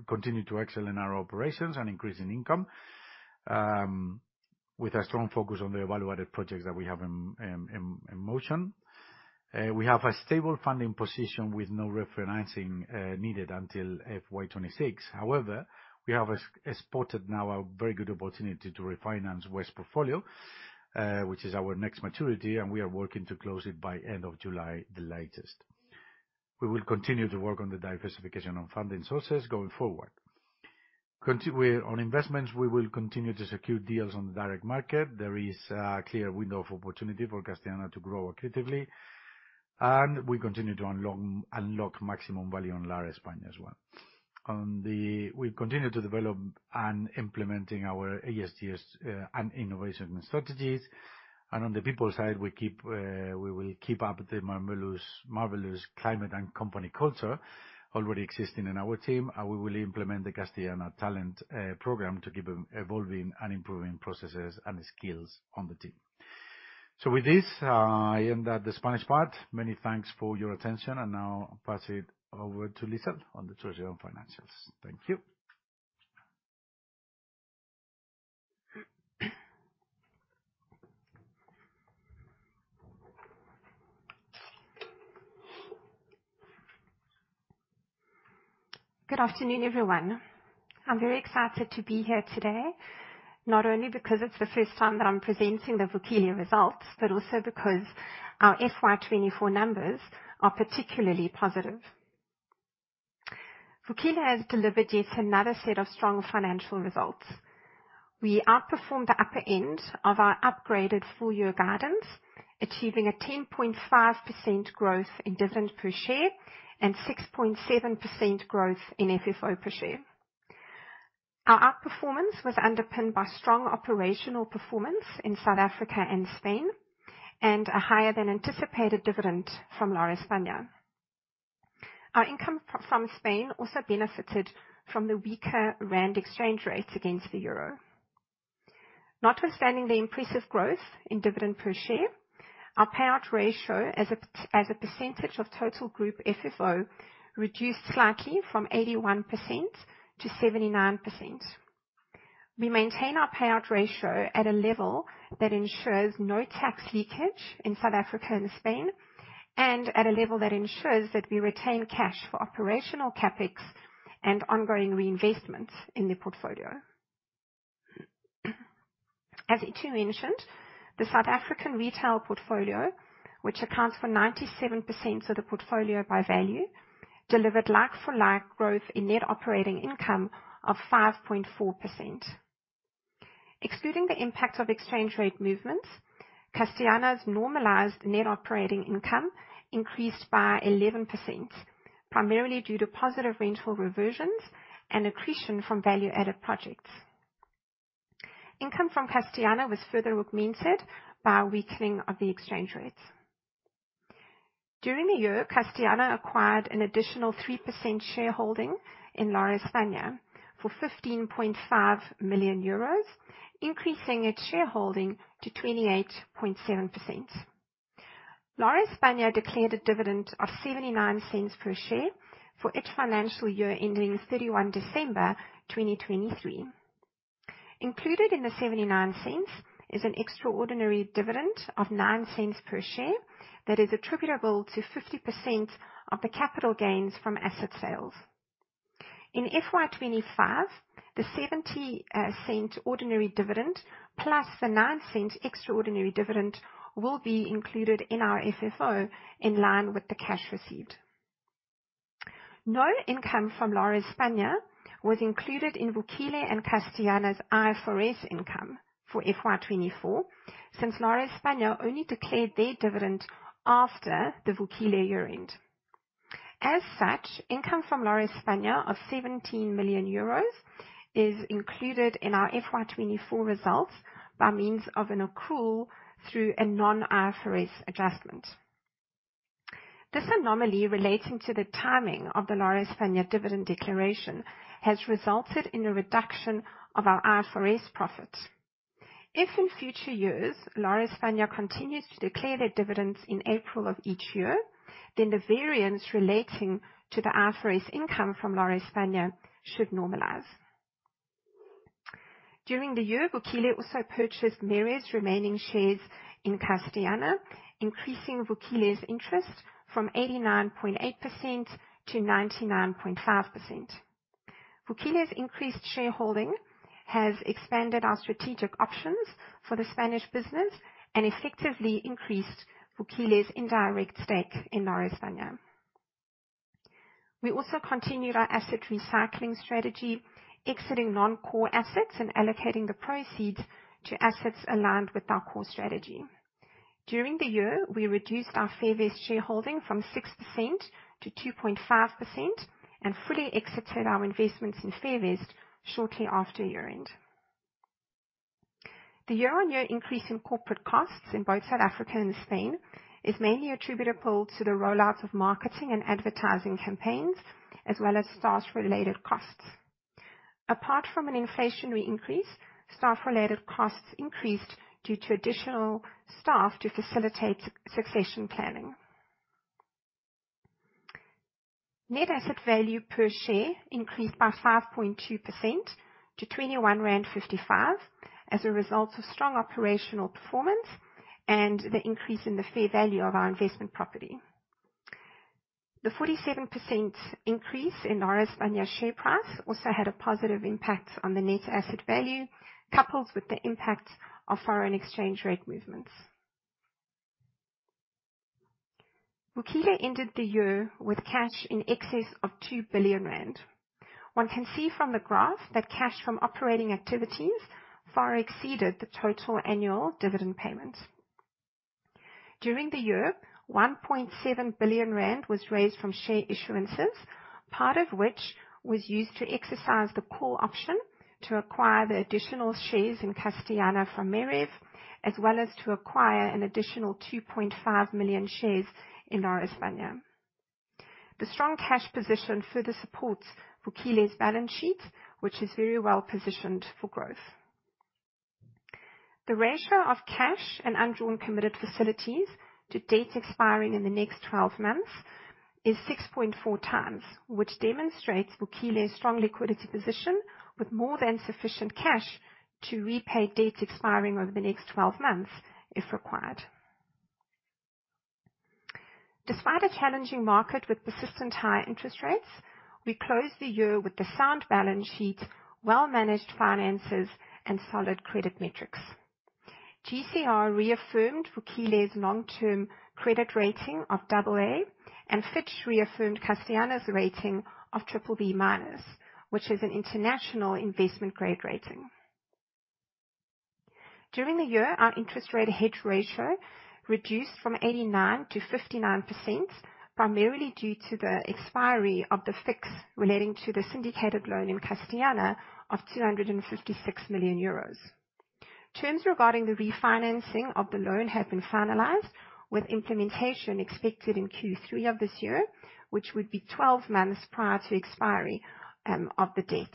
continue to excel in our operations and increase in income with a strong focus on the value-added projects that we have in motion. We have a stable funding position with no refinancing needed until FY 2026. However, we have spotted now a very good opportunity to refinance Vest portfolio, which is our next maturity, and we are working to close it by end of July, the latest. We will continue to work on the diversification on funding sources going forward. On investments, we will continue to secure deals on the direct market. There is a clear window of opportunity for Castellana to grow accretively, and we continue to unlock maximum value on Lar España as well. We continue to develop and implementing our ESG and innovation strategies. On the people side, we will keep up the marvelous climate and company culture already existing in our team. We will implement the Castellana talent program to keep evolving and improving processes and skills on the team. With this, I end that the Spanish part. Many thanks for your attention. Now pass it over to Lisa on the treasury and financials. Thank you. Good afternoon, everyone. I'm very excited to be here today, not only because it's the first time that I'm presenting the Vukile results, but also because our FY 2024 numbers are particularly positive. Vukile has delivered yet another set of strong financial results. We outperformed the upper end of our upgraded full year guidance, achieving a 10.5% growth in dividend per share and 6.7% growth in FFO per share. Our outperformance was underpinned by strong operational performance in South Africa and Spain, and a higher than anticipated dividend from Lar España. Our income from Spain also benefited from the weaker Rand exchange rates against the euro. Notwithstanding the impressive growth in dividend per share, our payout ratio as a percentage of total group FFO reduced slightly from 81% to 79%. We maintain our payout ratio at a level that ensures no tax leakage in South Africa and Spain, and at a level that ensures that we retain cash for operational CapEx and ongoing reinvestment in the portfolio. As Itumeleng mentioned, the South African retail portfolio, which accounts for 97% of the portfolio by value, delivered like for like growth in net operating income of 5.4%. Excluding the impact of exchange rate movements, Castellana's normalized net operating income increased by 11%, primarily due to positive rental reversions and accretion from value-added projects. Income from Castellana was further augmented by a weakening of the exchange rates. During the year, Castellana acquired an additional 3% shareholding in Lar España for 15.5 million euros, increasing its shareholding to 28.7%. La España declared a dividend of 0.79 per share for its financial year ending 31 December 2023. Included in the 0.79 is an extraordinary dividend of 0.09 per share that is attributable to 50% of the capital gains from asset sales. In FY 2025, the EUR 0.70 ordinary dividend plus the 0.09 extraordinary dividend will be included in our FFO in line with the cash received. No income from La España was included in Vukile and Castellana's IFRS income for FY 2024, since La España only declared their dividend after the Vukile year-end. As such, income from La España of 17 million euros is included in our FY 2024 results by means of an accrual through a non-IFRS adjustment. This anomaly relating to the timing of the La España dividend declaration has resulted in a reduction of our IFRS profits. If in future years, Lar España continues to declare their dividends in April of each year, then the variance relating to the IFRS income from Lar España should normalize. During the year, Vukile also purchased Meritz remaining shares in Castellana, increasing Vukile's interest from 89.8% to 99.5%. Vukile's increased shareholding has expanded our strategic options for the Spanish business and effectively increased Vukile's indirect stake in Lar España. We also continued our asset recycling strategy, exiting non-core assets and allocating the proceeds to assets aligned with our core strategy. During the year, we reduced our Fairvest shareholding from 6% to 2.5%, and fully exited our investments in Fairvest shortly after year-end. The year-over-year increase in corporate costs in both South Africa and Spain is mainly attributable to the rollout of marketing and advertising campaigns, as well as staff-related costs. Apart from an inflationary increase, staff-related costs increased due to additional staff to facilitate succession planning. Net asset value per share increased by 5.2% to 21.55 as a result of strong operational performance and the increase in the fair value of our investment property. The 47% increase in Lar España share price also had a positive impact on the net asset value, coupled with the impact of foreign exchange rate movements. Vukile ended the year with cash in excess of 2 billion rand. One can see from the graph that cash from operating activities far exceeded the total annual dividend payments. During the year, 1.7 billion rand was raised from share issuances, part of which was used to exercise the call option to acquire the additional shares in Castellana from Meritz, as well as to acquire an additional 2.5 million shares in Lar España. The strong cash position further supports Vukile's balance sheet, which is very well positioned for growth. The ratio of cash and undrawn committed facilities to dates expiring in the next 12 months is 6.4 times, which demonstrates Vukile's strong liquidity position with more than sufficient cash to repay dates expiring over the next 12 months if required. Despite a challenging market with persistent high interest rates, we closed the year with a sound balance sheet, well-managed finances, and solid credit metrics. GCR reaffirmed Vukile's long-term credit rating of AA, and Fitch reaffirmed Castellana's rating of BBB-, which is an international investment-grade rating. During the year, our interest rate hedge ratio reduced from 89% to 59%, primarily due to the expiry of the fix relating to the syndicated loan in Castellana of 256 million euros. Terms regarding the refinancing of the loan have been finalized, with implementation expected in Q3 of this year, which would be 12 months prior to expiry of the date.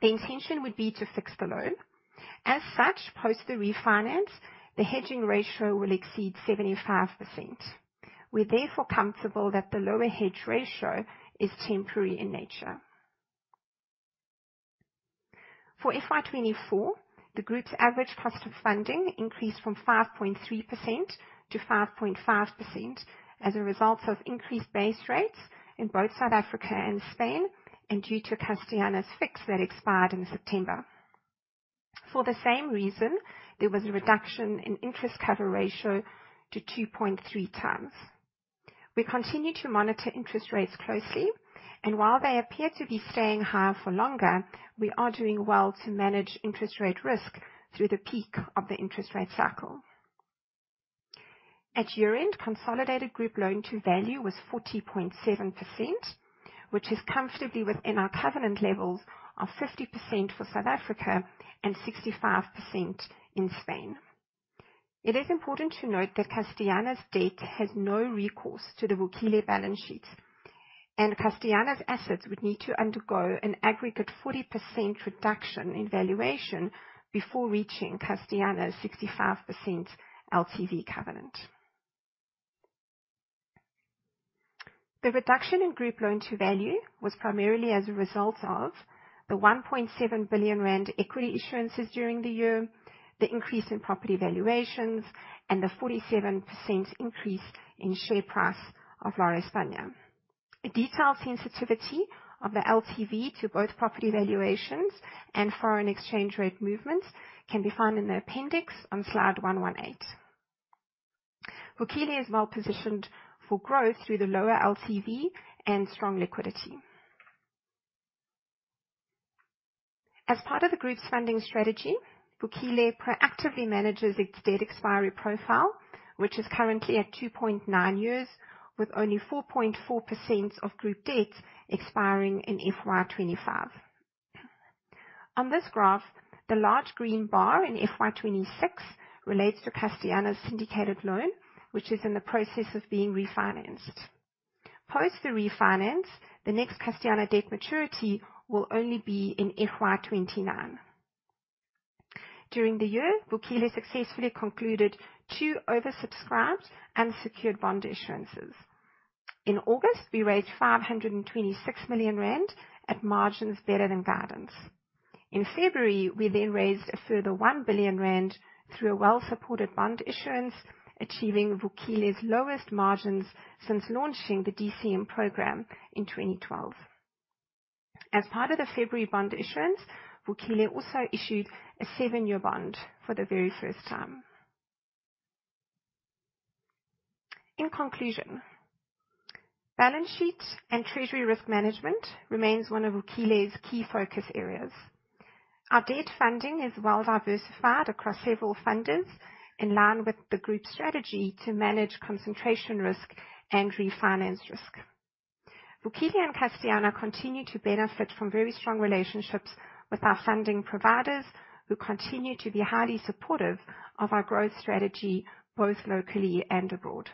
The intention would be to fix the loan. As such, post the refinance, the hedging ratio will exceed 75%. We're therefore comfortable that the lower hedge ratio is temporary in nature. For FY 2024, the group's average cost of funding increased from 5.3% to 5.5% as a result of increased base rates in both South Africa and Spain, due to Castellana's fix that expired in September. For the same reason, there was a reduction in interest cover ratio to 2.3 times. We continue to monitor interest rates closely, while they appear to be staying higher for longer, we are doing well to manage interest rate risk through the peak of the interest rate cycle. At year-end, consolidated group loan to value was 40.7%, which is comfortably within our covenant levels of 50% for South Africa and 65% in Spain. It is important to note that Castellana's debt has no recourse to the Vukile balance sheet, and Castellana's assets would need to undergo an aggregate 40% reduction in valuation before reaching Castellana's 65% LTV covenant. The reduction in group loan to value was primarily as a result of the 1.7 billion rand equity insurances during the year, the increase in property valuations, and the 47% increase in share price of Lar España. A detailed sensitivity of the LTV to both property valuations and foreign exchange rate movements can be found in the appendix on slide 118. Vukile is well-positioned for growth through the lower LTV and strong liquidity. As part of the group's funding strategy, Vukile proactively manages its debt expiry profile, which is currently at 2.9 years, with only 4.4% of group debt expiring in FY25. On this graph, the large green bar in FY 2026 relates to Castellana's syndicated loan, which is in the process of being refinanced. Post the refinance, the next Castellana debt maturity will only be in FY 2029. During the year, Vukile successfully concluded 2 oversubscribed and secured bond insurances. In August, we raised 526 million rand at margins better than guidance. In February, we then raised a further 1 billion rand through a well-supported bond insurance, achieving Vukile's lowest margins since launching the DCM program in 2012. As part of the February bond insurance, Vukile also issued a 7 year bond for the very first time. In conclusion, balance sheet and treasury risk management remains one of Vukile's key focus areas. Our debt funding is well diversified across several funders, in line with the group's strategy to manage concentration risk and refinance risk. Vukile and Castellana continue to benefit from very strong relationships with our funding providers, who continue to be highly supportive of our growth strategy, both locally and abroad.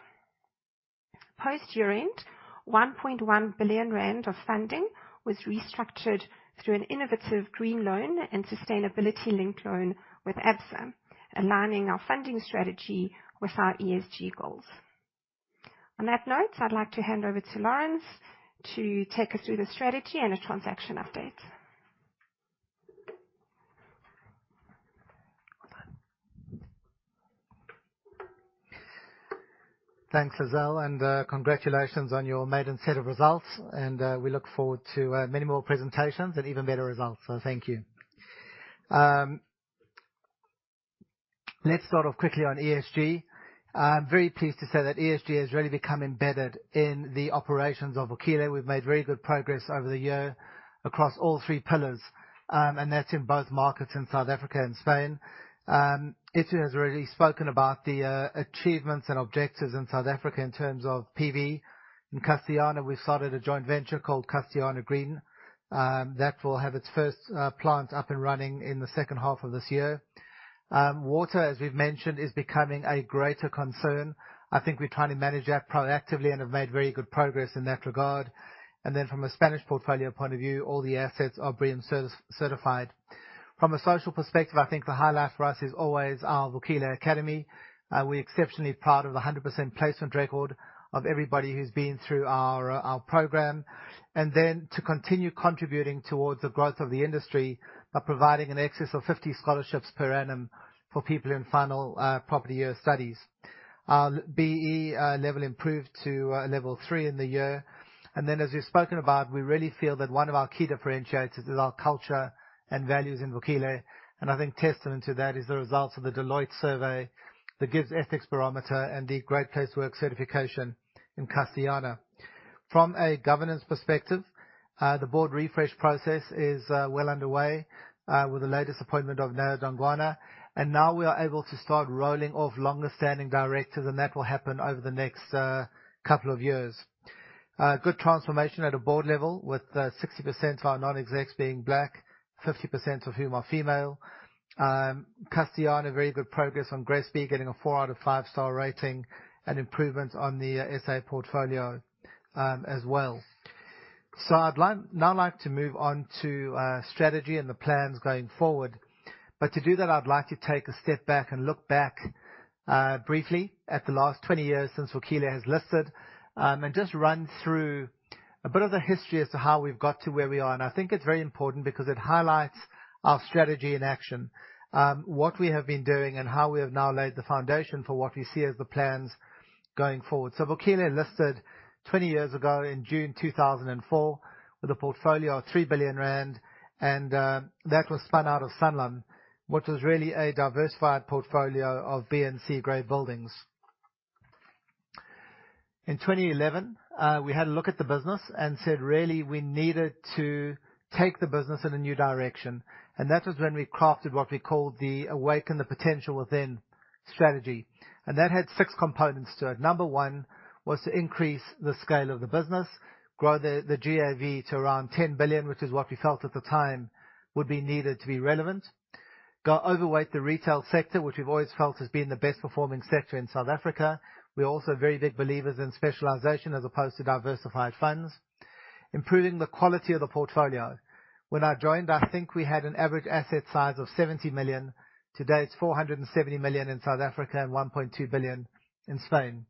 Post year-end, 1.1 billion rand of funding was restructured through an innovative green loan and sustainability-linked loan with Absa, aligning our funding strategy with our ESG goals. On that note, I'd like to hand over to Lawrence to take us through the strategy and the transaction update. Thanks, Lizelle, congratulations on your maiden set of results, we look forward to many more presentations and even better results. Thank you. Let's start off quickly on ESG. I'm very pleased to say that ESG has really become embedded in the operations of Vukile. We've made very good progress over the year across all 3 pillars, and that's in both markets in South Africa and Spain. Izzy has already spoken about the achievements and objectives in South Africa in terms of PV. In Castellana, we've started a joint venture called Castellana Green, that will have its first plant up and running in the second half of this year. Water, as we've mentioned, is becoming a greater concern. I think we're trying to manage that proactively and have made very good progress in that regard. From a Spanish portfolio point of view, all the assets are being service certified. From a social perspective, I think the highlight for us is always our Vukile Academy. We're exceptionally proud of the 100% placement record of everybody who's been through our program. To continue contributing towards the growth of the industry by providing an excess of 50 scholarships per annum for people in final property year studies. Our BE level improved to Level 3 in the year. As we've spoken about, we really feel that one of our key differentiators is our culture and values in Vukile. I think testament to that is the results of the Deloitte survey, the GIBS Ethics Barometer, and the Great Place To Work certification in Castellana. From a governance perspective, the board refresh process is well underway with the latest appointment of Neo Dongwana. Now we are able to start rolling off longer-standing directors, and that will happen over the next couple of years. Good transformation at a board level with 60% of our non-execs being Black, 50% of whom are female. Castellana, very good progress on GRESB, getting a 4 out of 5-star rating, and improvements on the SA portfolio as well. Now like to move on to strategy and the plans going forward. To do that, I'd like to take a step back and look back briefly at the last 20 years since Vukile has listed, and just run through a bit of the history as to how we've got to where we are. I think it's very important because it highlights our strategy in action, what we have been doing and how we have now laid the foundation for what we see as the plans going forward. Vukile listed 20 years ago in June 2004 with a portfolio of 3 billion rand, that was spun out of Sanlam, which was really a diversified portfolio of B and C grade buildings. In 2011, we had a look at the business and said, really, we needed to take the business in a new direction. That was when we crafted what we called the Awaken the Potential Within Strategy. That had 6 components to it. Number 1, was to increase the scale of the business, grow the GAV to around 10 billion, which is what we felt at the time would be needed to be relevant. Go overweight the retail sector, which we've always felt has been the best performing sector in South Africa. We're also very big believers in specialization as opposed to diversified funds. Improving the quality of the portfolio. When I joined, I think we had an average asset size of 70 million. Today, it's 470 million in South Africa and 1.2 billion in Spain.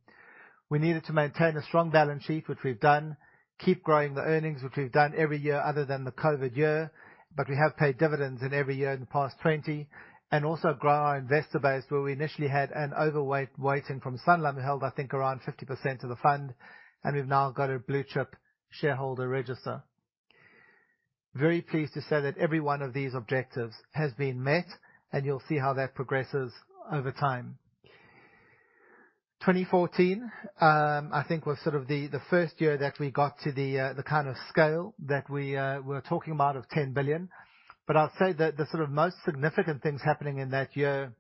We needed to maintain a strong balance sheet, which we've done. Keep growing the earnings, which we've done every year other than the COVID year, but we have paid dividends in every year in the past 20, and also grow our investor base, where we initially had an overweight weighting from Sanlam, held, I think, around 50% of the fund, and we've now got a blue-chip shareholder register. Very pleased to say that every one of these objectives has been met, and you'll see how that progresses over time. 2014, I think was sort of the first year that we got to the kind of scale that we were talking about of 10 billion. I'll say the sort of most significant things happening in that year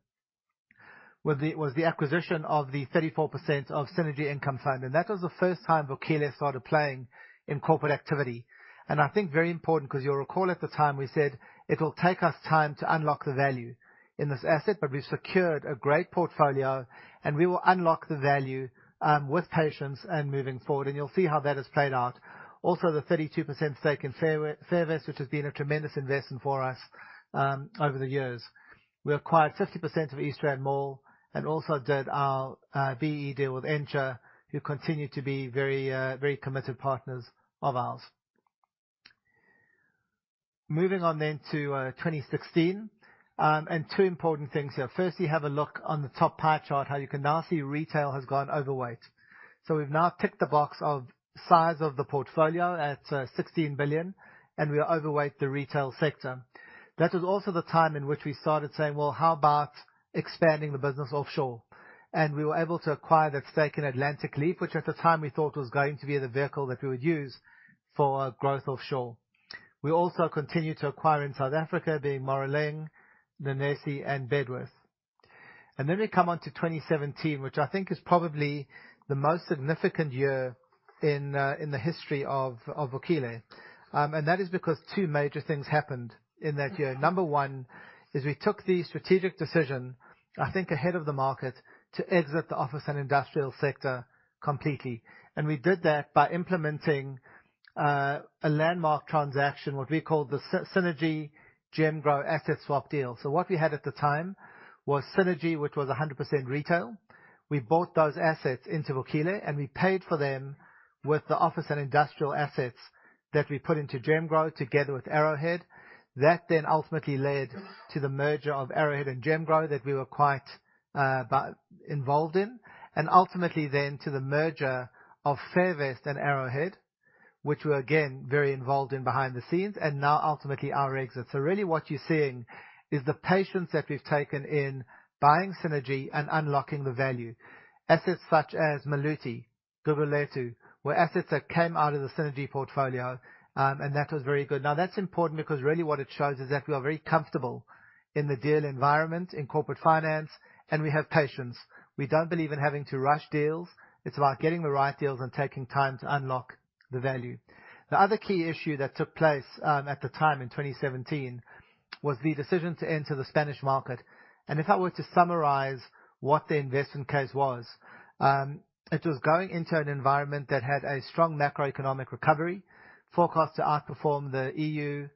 was the acquisition of the 34% of Synergy Income Fund. That was the first time Vukile started playing in corporate activity. I think very important, because you will recall at the time, we said, "It will take us time to unlock the value in this asset, but we have secured a great portfolio, and we will unlock the value with patience and moving forward." You will see how that has played out. The 32% stake in Fairvest, which has been a tremendous investment for us over the years. We acquired 50% of East Rand Mall and also did our BEE deal with Encha, who continue to be very committed partners of ours. Moving on to 2016. 2 important things here. Firstly, have a look on the top pie chart, how you can now see retail has gone overweight. We have now ticked the box of size of the portfolio at 16 billion. We overweight the retail sector. That was also the time in which we started saying, "Well, how about expanding the business offshore?" We were able to acquire that stake in Atlantic Leaf, which at the time we thought was going to be the vehicle that we would use for our growth offshore. We also continued to acquire in South Africa, being Moruleng, Nenesi and Bedworth. We come on to 2017, which I think is probably the most significant year in the history of Vukile. That is because 2 major things happened in that year. Number 1, is we took the strategic decision, I think ahead of the market, to exit the office and industrial sector completely. We did that by implementing a landmark transaction, what we call the Synergy/GemGrow asset swap deal. What we had at the time was Synergy, which was 100% retail. We bought those assets into Vukile, and we paid for them with the office and industrial assets that we put into Gemgrow together with Arrowhead. Ultimately led to the merger of Arrowhead and Gemgrow that we were quite involved in. Ultimately then to the merger of Fairvest and Arrowhead, which we're again, very involved in behind the scenes, and now ultimately our exit. Really what you're seeing is the patience that we've taken in buying Synergy and unlocking the value. Assets such as Maluti, Guguletu, were assets that came out of the Synergy portfolio, and that was very good. That's important because really what it shows is that we are very comfortable in the deal environment, in corporate finance, and we have patience. We don't believe in having to rush deals. It's about getting the right deals and taking time to unlock the value. The other key issue that took place at the time in 2017 was the decision to enter the Spanish market. If I were to summarize what the investment case was, it was going into an environment that had a strong macroeconomic recovery, forecast to outperform the EU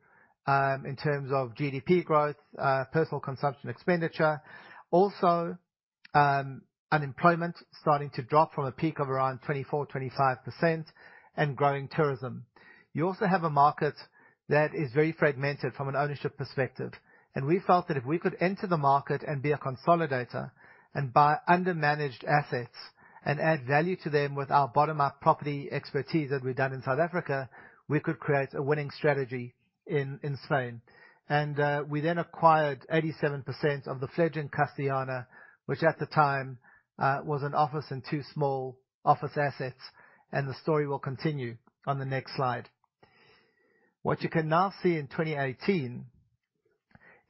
in terms of GDP growth, personal consumption expenditure. Also, unemployment starting to drop from a peak of around 24%-25% and growing tourism. You also have a market that is very fragmented from an ownership perspective. We felt that if we could enter the market and be a consolidator and buy under-managed assets and add value to them with our bottom-up property expertise that we've done in South Africa, we could create a winning strategy in Spain. We then acquired 87% of the fledgling Castellana, which at the time was an office and 2 small office assets, and the story will continue on the next slide. What you can now see in 2018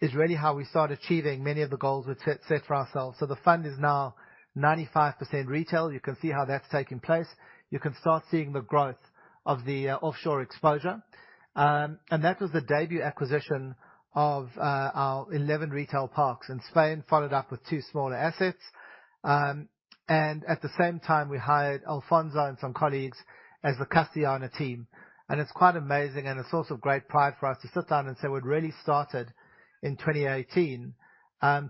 is really how we start achieving many of the goals we'd set for ourselves. The fund is now 95% retail. You can see how that's taking place. You can start seeing the growth of the offshore exposure. That was the debut acquisition of our 11 retail parks, and Spain followed up with 2 smaller assets. At the same time, we hired Alfonso and some colleagues as the Castellana team. It's quite amazing and a source of great pride for us to sit down and say what really started in 2018,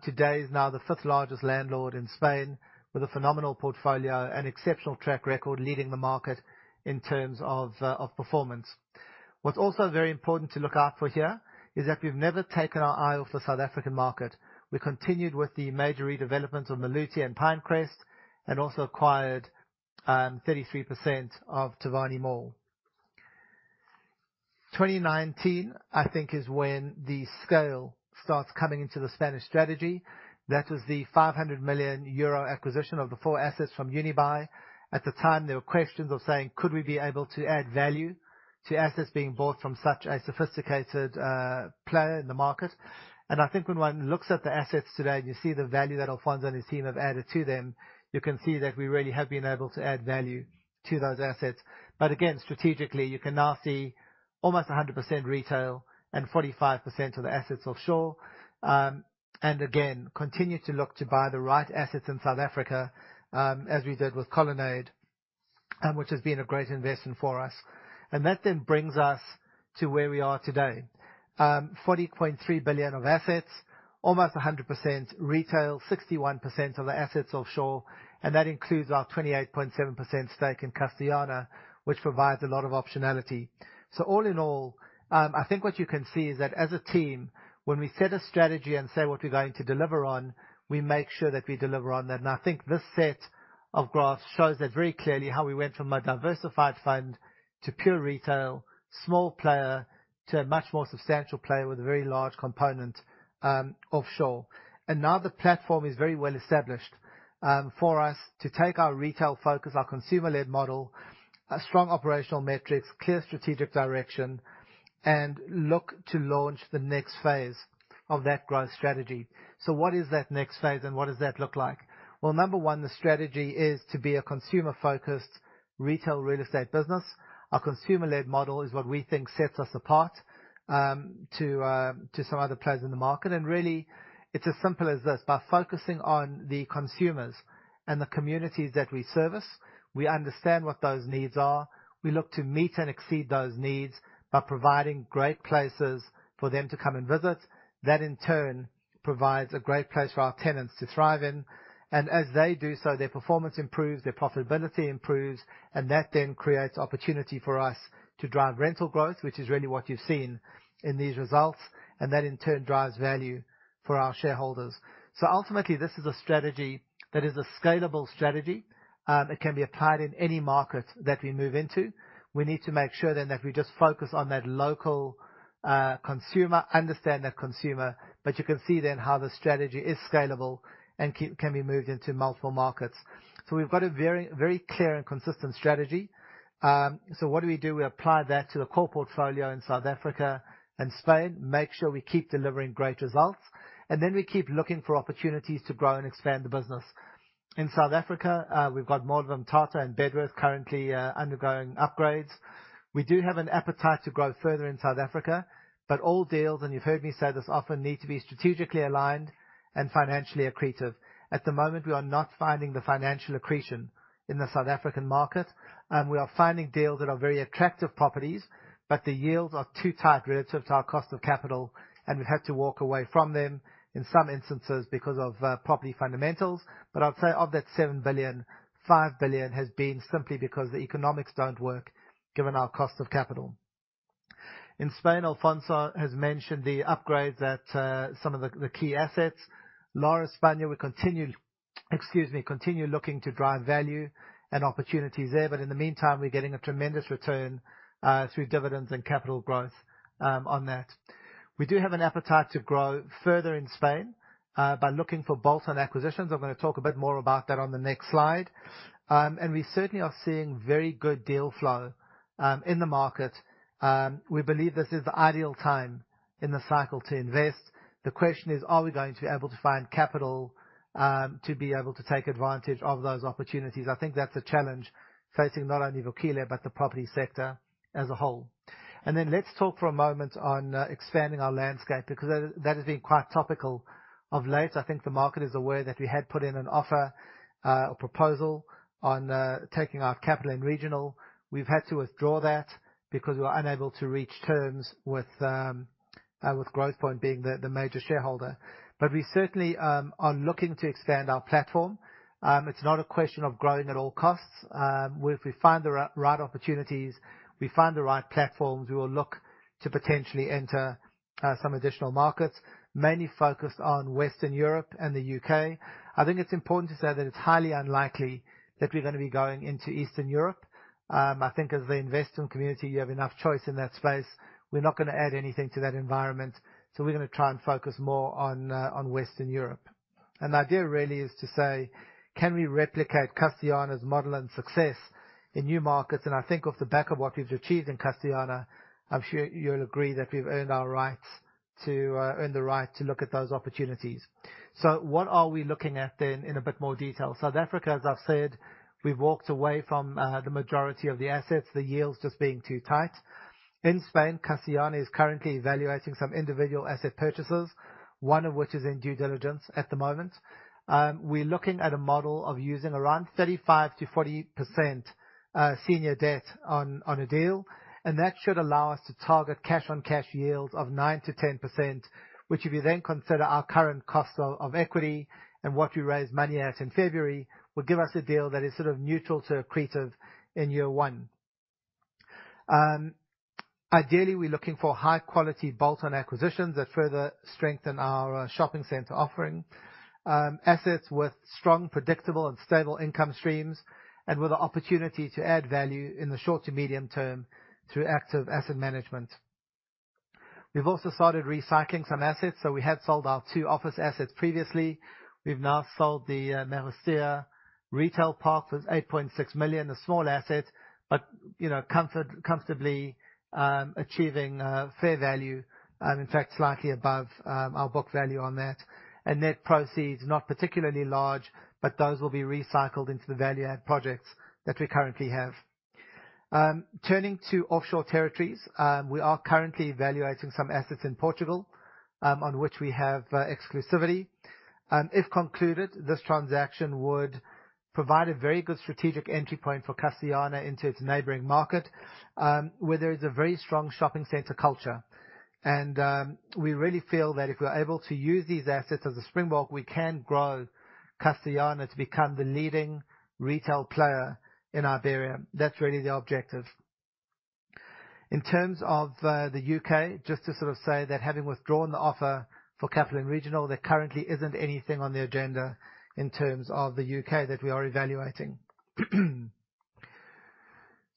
today is now the fifth-largest landlord in Spain with a phenomenal portfolio and exceptional track record leading the market in terms of performance. What's also very important to look out for here is that we've never taken our eye off the South African market. We continued with the major redevelopments of Maluti and Pinecrest and also acquired 33% of Tivani Mall. 2019, I think is when the scale starts coming into the Spanish strategy. That was the 500 million euro acquisition of the 4 assets from Unibail. At the time, there were questions of saying, could we be able to add value to assets being bought from such a sophisticated player in the market? I think when one looks at the assets today and you see the value that Alfonso and his team have added to them, you can see that we really have been able to add value to those assets. Again, strategically, you can now see almost 100% retail and 45% of the assets offshore. Again, continue to look to buy the right assets in South Africa, as we did with Colonnade, which has been a great investment for us. Brings us to where we are today. 40.3 billion of assets, almost 100% retail, 61% of the assets offshore, and that includes our 28.7% stake in Castellana, which provides a lot of optionality. All in all, I think what you can see is that as a team, when we set a strategy and say what we're going to deliver on, we make sure that we deliver on that. I think this set of graphs shows that very clearly how we went from a diversified fund to pure retail, small player, to a much more substantial player with a very large component, offshore. Another platform is very well established, for us to take our retail focus, our consumer-led model, a strong operational metrics, clear strategic direction, and look to launch the next phase of that growth strategy. What is that next phase and what does that look like? Number 1, the strategy is to be a consumer-focused retail real estate business. Our consumer-led model is what we think sets us apart to some other players in the market. Really, it's as simple as this. By focusing on the consumers and the communities that we service, we understand what those needs are. We look to meet and exceed those needs by providing great places for them to come and visit. That, in turn, provides a great place for our tenants to thrive in. As they do so, their performance improves, their profitability improves, that then creates opportunity for us to drive rental growth, which is really what you've seen in these results, that, in turn, drives value for our shareholders. Ultimately, this is a strategy that is a scalable strategy. It can be applied in any market that we move into. We need to make sure then that we just focus on that local consumer, understand that consumer. You can see then how the strategy is scalable and can be moved into multiple markets. We've got a very, very clear and consistent strategy. What do we do? We apply that to the core portfolio in South Africa and Spain, make sure we keep delivering great results, and then we keep looking for opportunities to grow and expand the business. In South Africa, we've got Mall of Umhlanga and Bedworth currently undergoing upgrades. We do have an appetite to grow further in South Africa, but all deals, and you've heard me say this often, need to be strategically aligned and financially accretive. At the moment, we are not finding the financial accretion in the South African market. We are finding deals that are very attractive properties, but the yields are too tight relative to our cost of capital, and we've had to walk away from them in some instances because of property fundamentals. I'd say of that 7 billion, 5 billion has been simply because the economics don't work given our cost of capital. In Spain, Alfonso has mentioned the upgrades at some of the key assets. Lar España, we continue, excuse me, looking to drive value and opportunities there. In the meantime, we're getting a tremendous return through dividends and capital growth on that. We do have an appetite to grow further in Spain by looking for bolt-on acquisitions. I'm gonna talk a bit more about that on the next slide. We certainly are seeing very good deal flow in the market. We believe this is the ideal time in the cycle to invest. The question is: Are we going to be able to find capital to be able to take advantage of those opportunities? I think that's a challenge facing not only Vukile, but the property sector as a whole. Let's talk for a moment on expanding our landscape because that has been quite topical of late. I think the market is aware that we had put in an offer, or proposal on taking our Capital & Regional. We've had to withdraw that because we were unable to reach terms with Growthpoint Properties being the major shareholder. We certainly are looking to expand our platform. It's not a question of growing at all costs. If we find the right opportunities, we find the right platforms, we will look to potentially enter some additional markets, mainly focused on Western Europe and the UK. I think it's important to say that it's highly unlikely that we're gonna be going into Eastern Europe. I think as the investment community, you have enough choice in that space. We're not gonna add anything to that environment, we're gonna try and focus more on Western Europe. The idea really is to say: Can we replicate Castellana's model and success in new markets? I think off the back of what we've achieved in Castellana, I'm sure you'll agree that we've earned our rights to earn the right to look at those opportunities. What are we looking at then in a bit more detail? South Africa, as I've said, we've walked away from the majority of the assets, the yields just being too tight. In Spain, Castellana is currently evaluating some individual asset purchases, one of which is in due diligence at the moment. We're looking at a model of using around 35%-40% senior debt on a deal, and that should allow us to target cash-on-cash yields of 9%-10%. Which if you then consider our current cost of equity and what we raised money at in February, will give us a deal that is sort of neutral to accretive in year 1. Ideally, we're looking for high quality bolt-on acquisitions that further strengthen our shopping center offering, assets with strong, predictable and stable income streams, and with the opportunity to add value in the short to medium term through active asset management. We've also started recycling some assets, so we had sold our 2 office assets previously. We've now sold the Meixueiro retail park. That's 8.6 million. A small asset, but, you know, comfortably achieving fair value, and in fact, slightly above our book value on that. Net proceeds, not particularly large, but those will be recycled into the value add projects that we currently have. Turning to offshore territories, we are currently evaluating some assets in Portugal, on which we have exclusivity. If concluded, this transaction would provide a very good strategic entry point for Castellana into its neighboring market, where there is a very strong shopping center culture. We really feel that if we're able to use these assets as a springboard, we can grow Castellana to become the leading retail player in Iberia. That's really the objective. In terms of the UK, just to sort of say that having withdrawn the offer for Capital & Regional, there currently isn't anything on the agenda in terms of the UK that we are evaluating.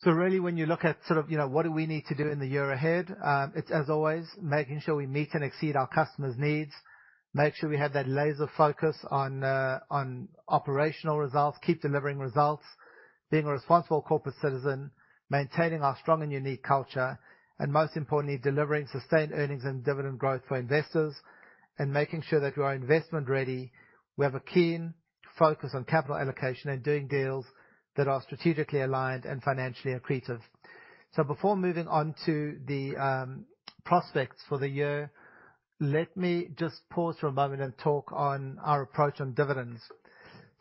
Really, when you look at sort of, you know, what do we need to do in the year ahead, it's, as always, making sure we meet and exceed our customers' needs, make sure we have that laser focus on operational results, keep delivering results. Being a responsible corporate citizen, maintaining our strong and unique culture, and most importantly, delivering sustained earnings and dividend growth for investors and making sure that we are investment ready. We have a keen focus on capital allocation and doing deals that are strategically aligned and financially accretive. Before moving on to the prospects for the year, let me just pause for a moment and talk on our approach on dividends.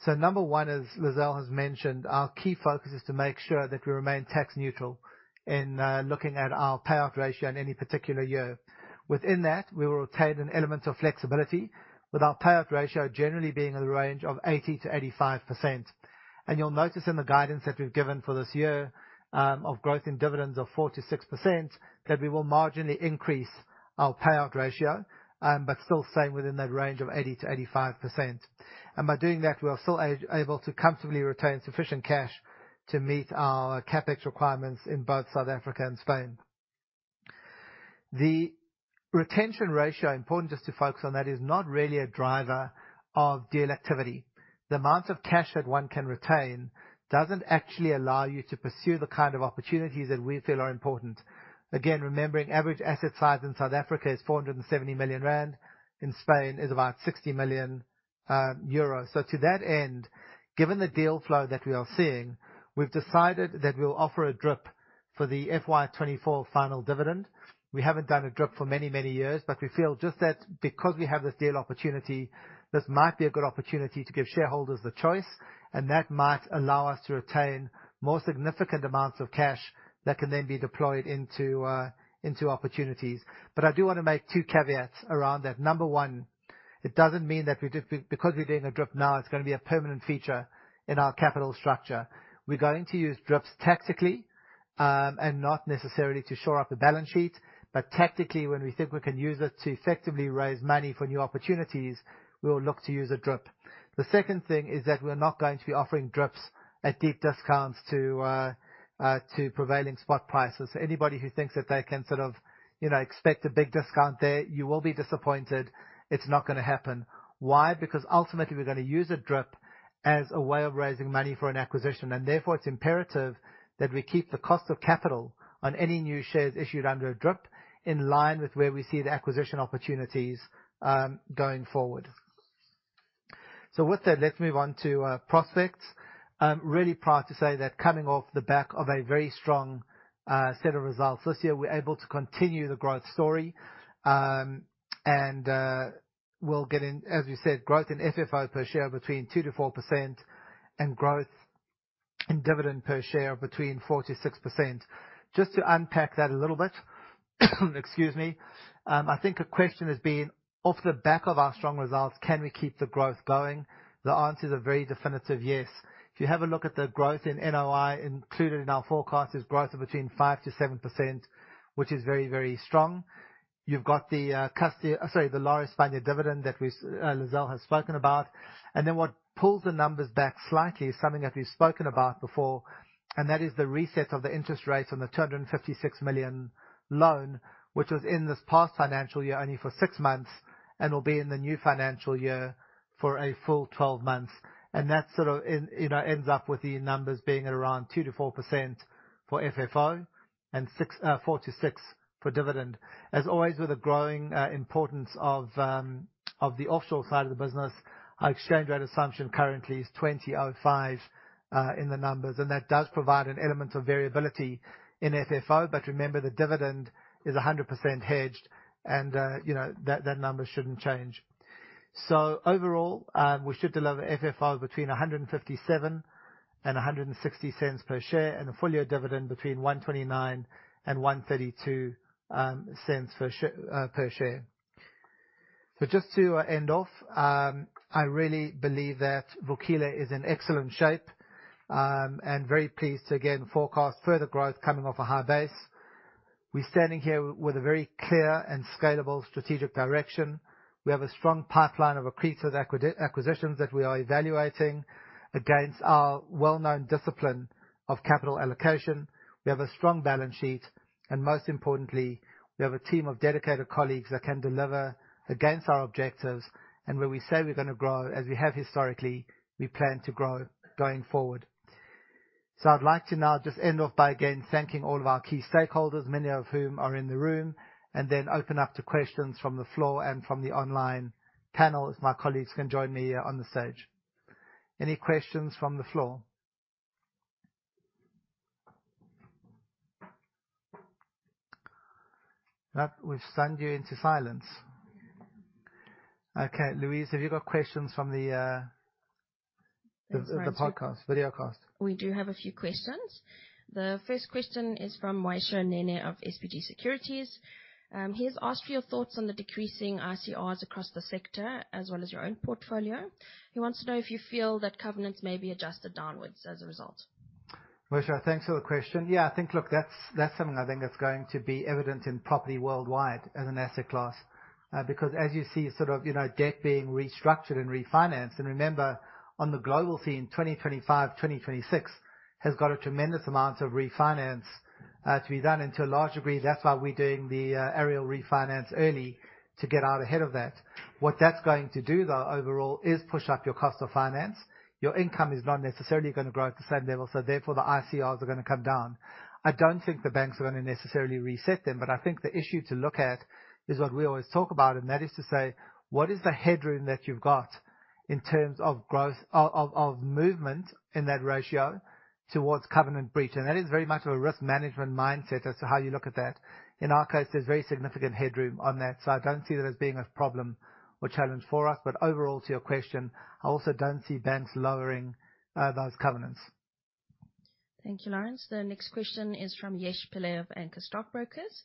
Number 1, as Lizelle has mentioned, our key focus is to make sure that we remain tax neutral in looking at our payout ratio in any particular year. Within that, we will retain an element of flexibility with our payout ratio generally being in the range of 80%-85%. You'll notice in the guidance that we've given for this year, of growth in dividends of 4%-6%, that we will marginally increase our payout ratio, but still staying within that range of 80%-85%. By doing that, we are still able to comfortably retain sufficient cash to meet our CapEx requirements in both South Africa and Spain. The retention ratio, important just to focus on that, is not really a driver of deal activity. The amount of cash that one can retain doesn't actually allow you to pursue the kind of opportunities that we feel are important. Again, remembering average asset size in South Africa is 470 million rand. In Spain is about 60 million euros. To that end, given the deal flow that we are seeing, we've decided that we'll offer a DRIP for the FY 2024 final dividend. We haven't done a DRIP for many, many years, but we feel just that because we have this deal opportunity, this might be a good opportunity to give shareholders the choice, and that might allow us to retain more significant amounts of cash that can then be deployed into opportunities. I do wanna make 2 caveats around that. Number 1, it doesn't mean that we're just because we're doing a DRIP now, it's gonna be a permanent feature in our capital structure. We're going to use DRIPs tactically, and not necessarily to shore up the balance sheet, but tactically, when we think we can use it to effectively raise money for new opportunities, we will look to use a DRIP. The second thing is that we're not going to be offering DRIPs at deep discounts to prevailing spot prices. Anybody who thinks that they can sort of, you know, expect a big discount there, you will be disappointed. It's not gonna happen. Why? Ultimately we're gonna use a DRIP as a way of raising money for an acquisition, and therefore it's imperative that we keep the cost of capital on any new shares issued under a DRIP in line with where we see the acquisition opportunities going forward. With that, let's move on to prospects. I'm really proud to say that coming off the back of a very strong set of results this year, we're able to continue the growth story, and we're getting, as we said, growth in FFO per share between 2%-4% and growth in dividend per share between 4%-6%. Just to unpack that a little bit, excuse me. I think the question is being off the back of our strong results, can we keep the growth going? The answer is a very definitive yes. If you have a look at the growth in NOI included in our forecast is growth of between 5%-7%, which is very, very strong. You've got the, sorry, the Lar España dividend that Lizelle has spoken about. And then what pulls the numbers back slightly is something that we've spoken about before, and that is the reset of the interest rates on the 256 million loan, which was in this past financial year only for 6 months and will be in the new financial year for a full 12 months. And that sort of in, you know, ends up with the numbers being at around 2%-4% for FFO and 4%-6% for dividend. As always, with the growing importance of the offshore side of the business, our exchange rate assumption currently is 20.05 in the numbers, and that does provide an element of variability in FFO. Remember, the dividend is 100% hedged and, you know, that number shouldn't change. Overall, we should deliver FFO between 1.57 and 1.60 per share and a full-year dividend between 1.29 and 1.32 per share. Just to end off, I really believe that Vukile is in excellent shape and very pleased to again forecast further growth coming off a high base. We're standing here with a very clear and scalable strategic direction. We have a strong pipeline of accretive acquisitions that we are evaluating against our well-known discipline of capital allocation. We have a strong balance sheet. Most importantly, we have a team of dedicated colleagues that can deliver against our objectives. Where we say we're gonna grow, as we have historically, we plan to grow going forward. I'd like to now just end off by, again, thanking all of our key stakeholders, many of whom are in the room, then open up to questions from the floor and from the online panel, as my colleagues can join me here on the stage. Any questions from the floor? Nah, we've stunned you into silence. Okay, Louise, have you got questions from the- Thanks, Lawrence. the podcast, videocast. We do have a few questions. The first question is from Mweishö Nene of SBG Securities. He has asked for your thoughts on the decreasing ICRs across the sector, as well as your own portfolio. He wants to know if you feel that covenants may be adjusted downwards as a result. Mweishö, thanks for the question. Yeah, I think, look, that's something I think that's going to be evident in property worldwide as an asset class. because as you see sort of, you know, debt being restructured and refinanced, and remember, on the global scene, 2025, 2026 has got a tremendous amount of refinance to be done. To a large degree, that's why we're doing the Aareal refinance early to get out ahead of that. What that's going to do, though, overall, is push up your cost of finance. Your income is not necessarily gonna grow at the same level, so therefore, the ICR are gonna come down. I don't think the banks are gonna necessarily reset them, but I think the issue to look at is what we always talk about, and that is to say, what is the headroom that you've got in terms of growth of movement in that ratio towards covenant breach? That is very much of a risk management mindset as to how you look at that. In our case, there's very significant headroom on that, so I don't see that as being a problem or challenge for us. Overall, to your question, I also don't see banks lowering those covenants. Thank you, Lawrence. The next question is from Yesh Pillay of Anchor Stockbrokers.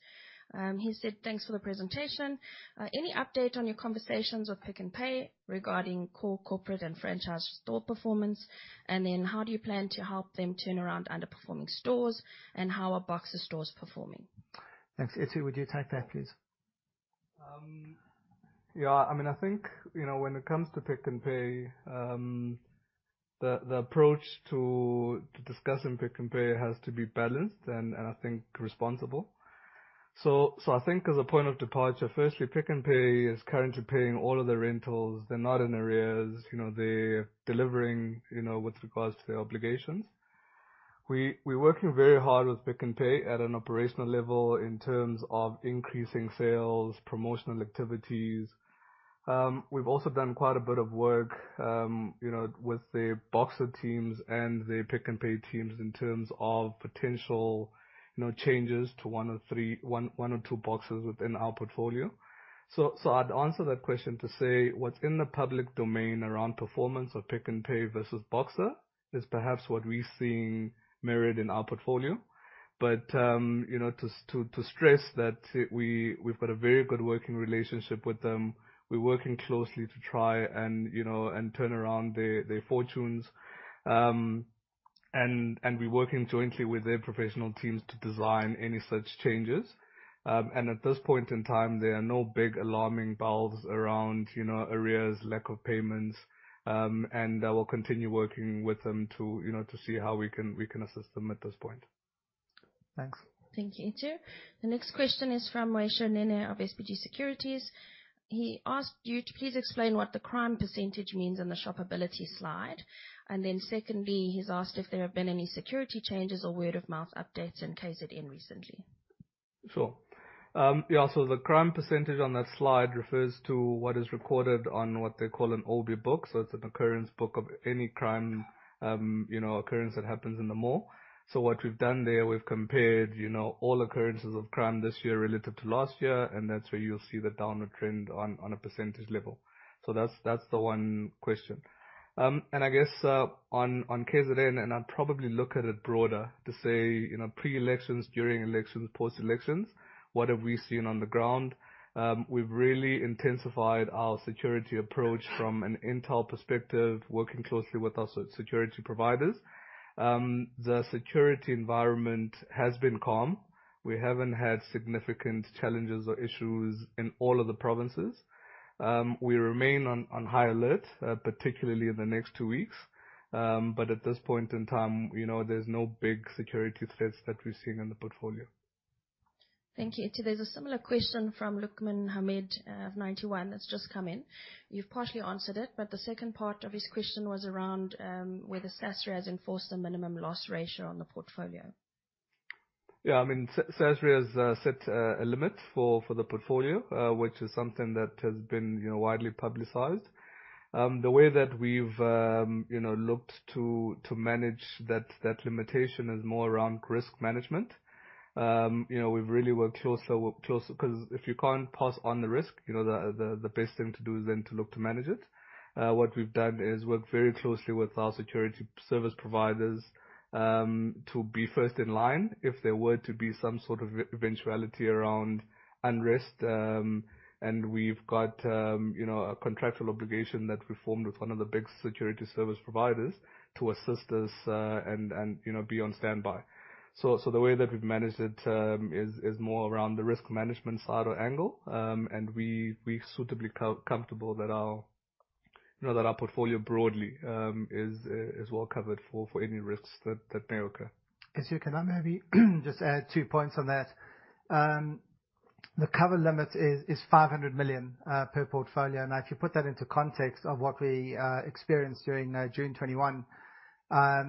He said, "Thanks for the presentation. Any update on your conversations with Pick n Pay regarding core corporate and franchise store performance? How do you plan to help them turn around underperforming stores, and how are Boxer stores performing? Thanks. Itiu, would you take that, please? Yeah. I mean, I think, you know, when it comes to Pick n Pay, the approach to discussing Pick n Pay has to be balanced and I think responsible. I think as a point of departure, firstly, Pick n Pay is currently paying all of their rentals. They're not in arrears. You know, they're delivering, you know, with regards to their obligations. We're working very hard with Pick n Pay at an operational level in terms of increasing sales, promotional activities. We've also done quite a bit of work, you know, with the Boxer teams and the Pick n Pay teams in terms of potential, you know, changes to 1 of 2 Boxers within our portfolio. I'd answer that question to say, what's in the public domain around performance of Pick n Pay versus Boxer is perhaps what we're seeing mirrored in our portfolio. You know, to stress that we've got a very good working relationship with them. We're working closely to try and, you know, turn around their fortunes. And we're working jointly with their professional teams to design any such changes. And at this point in time, there are no big alarming bells around, you know, arrears, lack of payments. And I will continue working with them to, you know, to see how we can assist them at this point. Thanks. Thank you, Itiu. The next question is from Mweishö Nene of SBG Securities. He asked you to please explain what the crime percentage means on the shopability slide. Secondly, he's asked if there have been any security changes or word of mouth updates in KZN recently. Sure. Yeah, the crime % on that slide refers to what is recorded on what they call an OB book. It's an occurrence book of any crime, you know, occurrence that happens in the mall. What we've done there, we've compared, you know, all occurrences of crime this year relative to last year, and that's where you'll see the downward trend on a % level. That's, that's the 1 question. I guess, on KZN, I'd probably look at it broader to say, you know, pre-elections, during elections, post elections, what have we seen on the ground? We've really intensified our security approach from an intel perspective, working closely with our security providers. The security environment has been calm. We haven't had significant challenges or issues in all of the provinces. We remain on high alert, particularly in the next 2 weeks. At this point in time, you know, there's no big security threats that we're seeing in the portfolio. Thank you. Itiu, there's a similar question from Luqman Hamid of Ninety One that's just come in. You've partially answered it. The second part of his question was around whether Sasria has enforced a minimum loss ratio on the portfolio. Yeah, I mean, Sasria has set a limit for the portfolio, which is something that has been, you know, widely publicized. The way that we've, you know, looked to manage that limitation is more around risk management. You know, we've really worked closer 'cause if you can't pass on the risk, you know, the best thing to do is then to look to manage it. What we've done is work very closely with our security service providers to be first in line if there were to be some sort of eventuality around unrest. We've got, you know, a contractual obligation that we formed with one of the big security service providers to assist us and, you know, be on standby. The way that we've managed it is more around the risk management side or angle. We suitably comfortable that our You know, that our portfolio broadly, is well covered for any risks that may occur. Alfonso, can I maybe just add 2 points on that. The cover limit is 500 million per portfolio. If you put that into context of what we experienced during June 2021,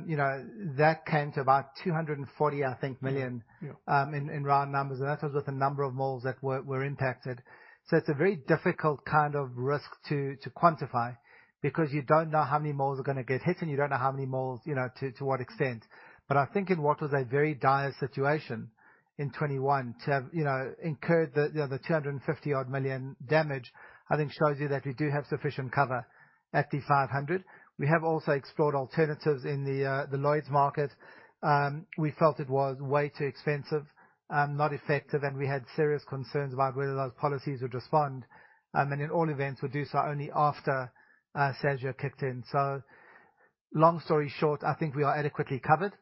you know, that came to about 240 million- Yeah. In round numbers, that was with a number of malls that were impacted. It's a very difficult kind of risk to quantify because you don't know how many malls are gonna get hit, and you don't know how many malls, you know, to what extent. I think in what was a very dire situation in 2021 to have, you know, incurred the other 250 odd million damage, I think shows you that we do have sufficient cover at the 500 million. We have also explored alternatives in the Lloyd's market. We felt it was way too expensive, not effective, and we had serious concerns about whether those policies would respond. In all events, we'll do so only after Sergio kicked in. Long story short, I think we are adequately covered,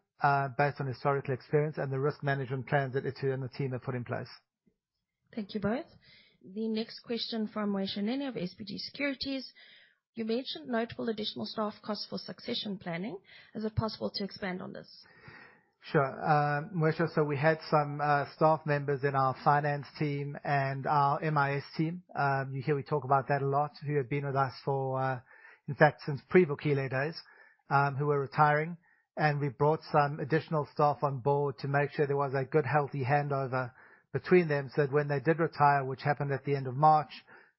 based on historical experience and the risk management plans that Alfonso and the team have put in place. Thank you both. The next question from Mweishö Nene of SBG Securities. You mentioned notable additional staff costs for succession planning. Is it possible to expand on this? Sure. Mweishö, we had some staff members in our finance team and our MIS team, you hear we talk about that a lot, who had been with us for in fact since pre-Vukile days, who were retiring. We brought some additional staff on board to make sure there was a good, healthy handover between them, so that when they did retire, which happened at the end of March,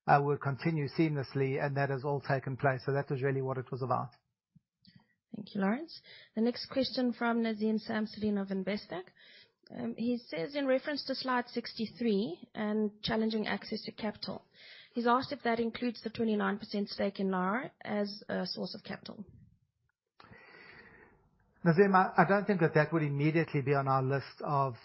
we'll continue seamlessly, and that has all taken place. That was really what it was about. Thank you, Lawrence. The next question from Naeem Samsodien of Investec. He says in reference to slide 63 and challenging access to capital, he's asked if that includes the 29% stake Lar España as a source of capital. Nazim, I don't think that that would immediately be on our list of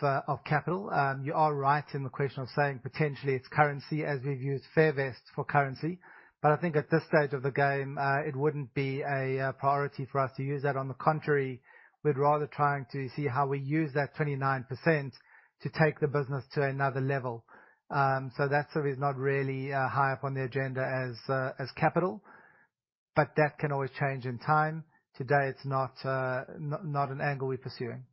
capital. You are right in the question of saying potentially it's currency, as we've used Fairvest for currency. I think at this stage of the game, it wouldn't be a priority for us to use that. On the contrary, we'd rather trying to see how we use that 29% to take the business to another level. That sort of is not really high up on the agenda as capital. That can always change in time. Today, it's not an angle we're pursuing.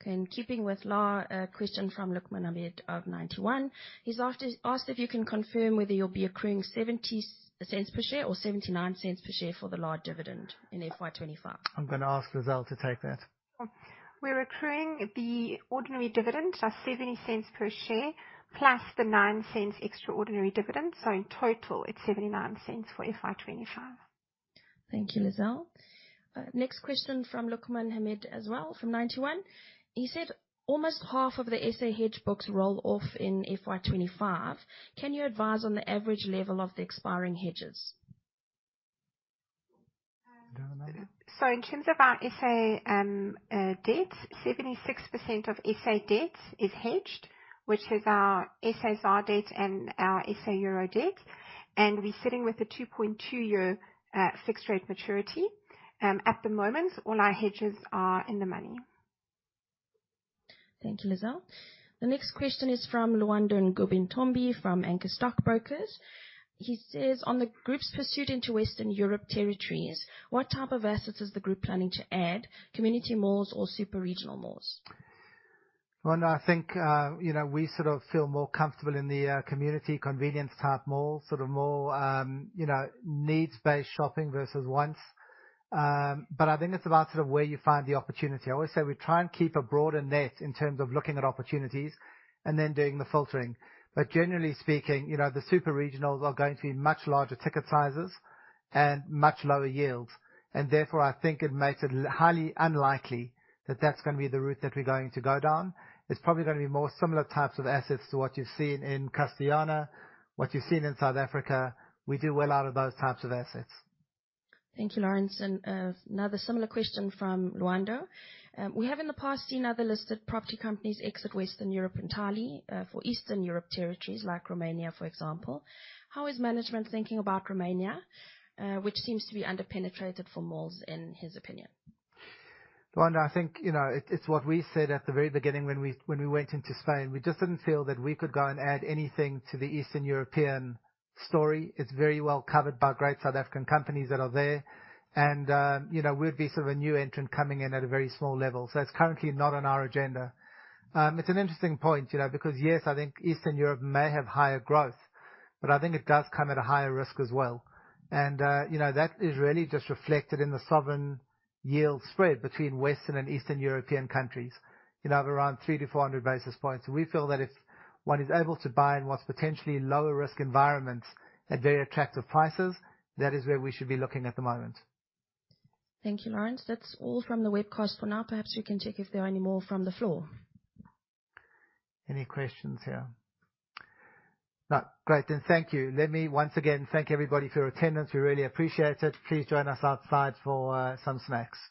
Okay. In keeping with Lara, a question from Luqman Ahmed of Ninety One. He's asked if you can confirm whether you'll be accruing 0.70 per share or 0.79 per share for the large dividend in FY 2025. I'm gonna ask Lizelle to take that. We're accruing the ordinary dividend at 0.70 per share, plus the 0.09 extraordinary dividend. In total, it's 0.79 for FY 2025. Thank you, Lizelle. Next question from Luqman Ahmed as well, from Ninety One. He said, "Almost half of the SA Hedge books roll off in FY 2025. Can you advise on the average level of the expiring hedges? Do you wanna take it? In terms of our SA debt, 76% of SA debt is hedged, which is our Sasria debt and our SA EUR debt. We're sitting with a 2.2 year fixed rate maturity. At the moment, all our hedges are in the money. Thank you, Lizelle. The next question is from Lwando Ngubentomibi, from Anchor Stockbrokers. He says, "On the group's pursuit into Western Europe territories, what type of assets is the group planning to add, community malls or super regional malls? Well, I think, you know, we sort of feel more comfortable in the community convenience type malls, sort of more, you know, needs-based shopping versus wants. I think it's about sort of where you find the opportunity. I always say we try and keep a broader net in terms of looking at opportunities and then doing the filtering. Generally speaking, you know, the super regionals are going to be much larger ticket sizes and much lower yields. Therefore, I think it makes it highly unlikely that that's gonna be the route that we're going to go down. It's probably gonna be more similar types of assets to what you've seen in Castellana, what you've seen in South Africa. We do well out of those types of assets. Thank you, Lawrence. Another similar question from Lwando. We have in the past seen other listed property companies exit Western Europe entirely for Eastern Europe territories like Romania, for example. How is management thinking about Romania, which seems to be under-penetrated for malls, in his opinion? Lwando, I think, you know, it's what we said at the very beginning when we went into Spain. We just didn't feel that we could go and add anything to the Eastern European story. It's very well covered by great South African companies that are there. You know, we'd be sort of a new entrant coming in at a very small level. It's currently not on our agenda. It's an interesting point, you know. Yes, I think Eastern Europe may have higher growth, but I think it does come at a higher risk as well. You know, that is really just reflected in the sovereign yield spread between Western and Eastern European countries, you know, of around 300-400 basis points. We feel that if one is able to buy in what's potentially lower risk environments at very attractive prices, that is where we should be looking at the moment. Thank you, Lawrence. That's all from the webcast for now. Perhaps you can check if there are any more from the floor. Any questions here? No. Great. Thank you. Let me once again thank everybody for your attendance. We really appreciate it. Please join us outside for some snacks.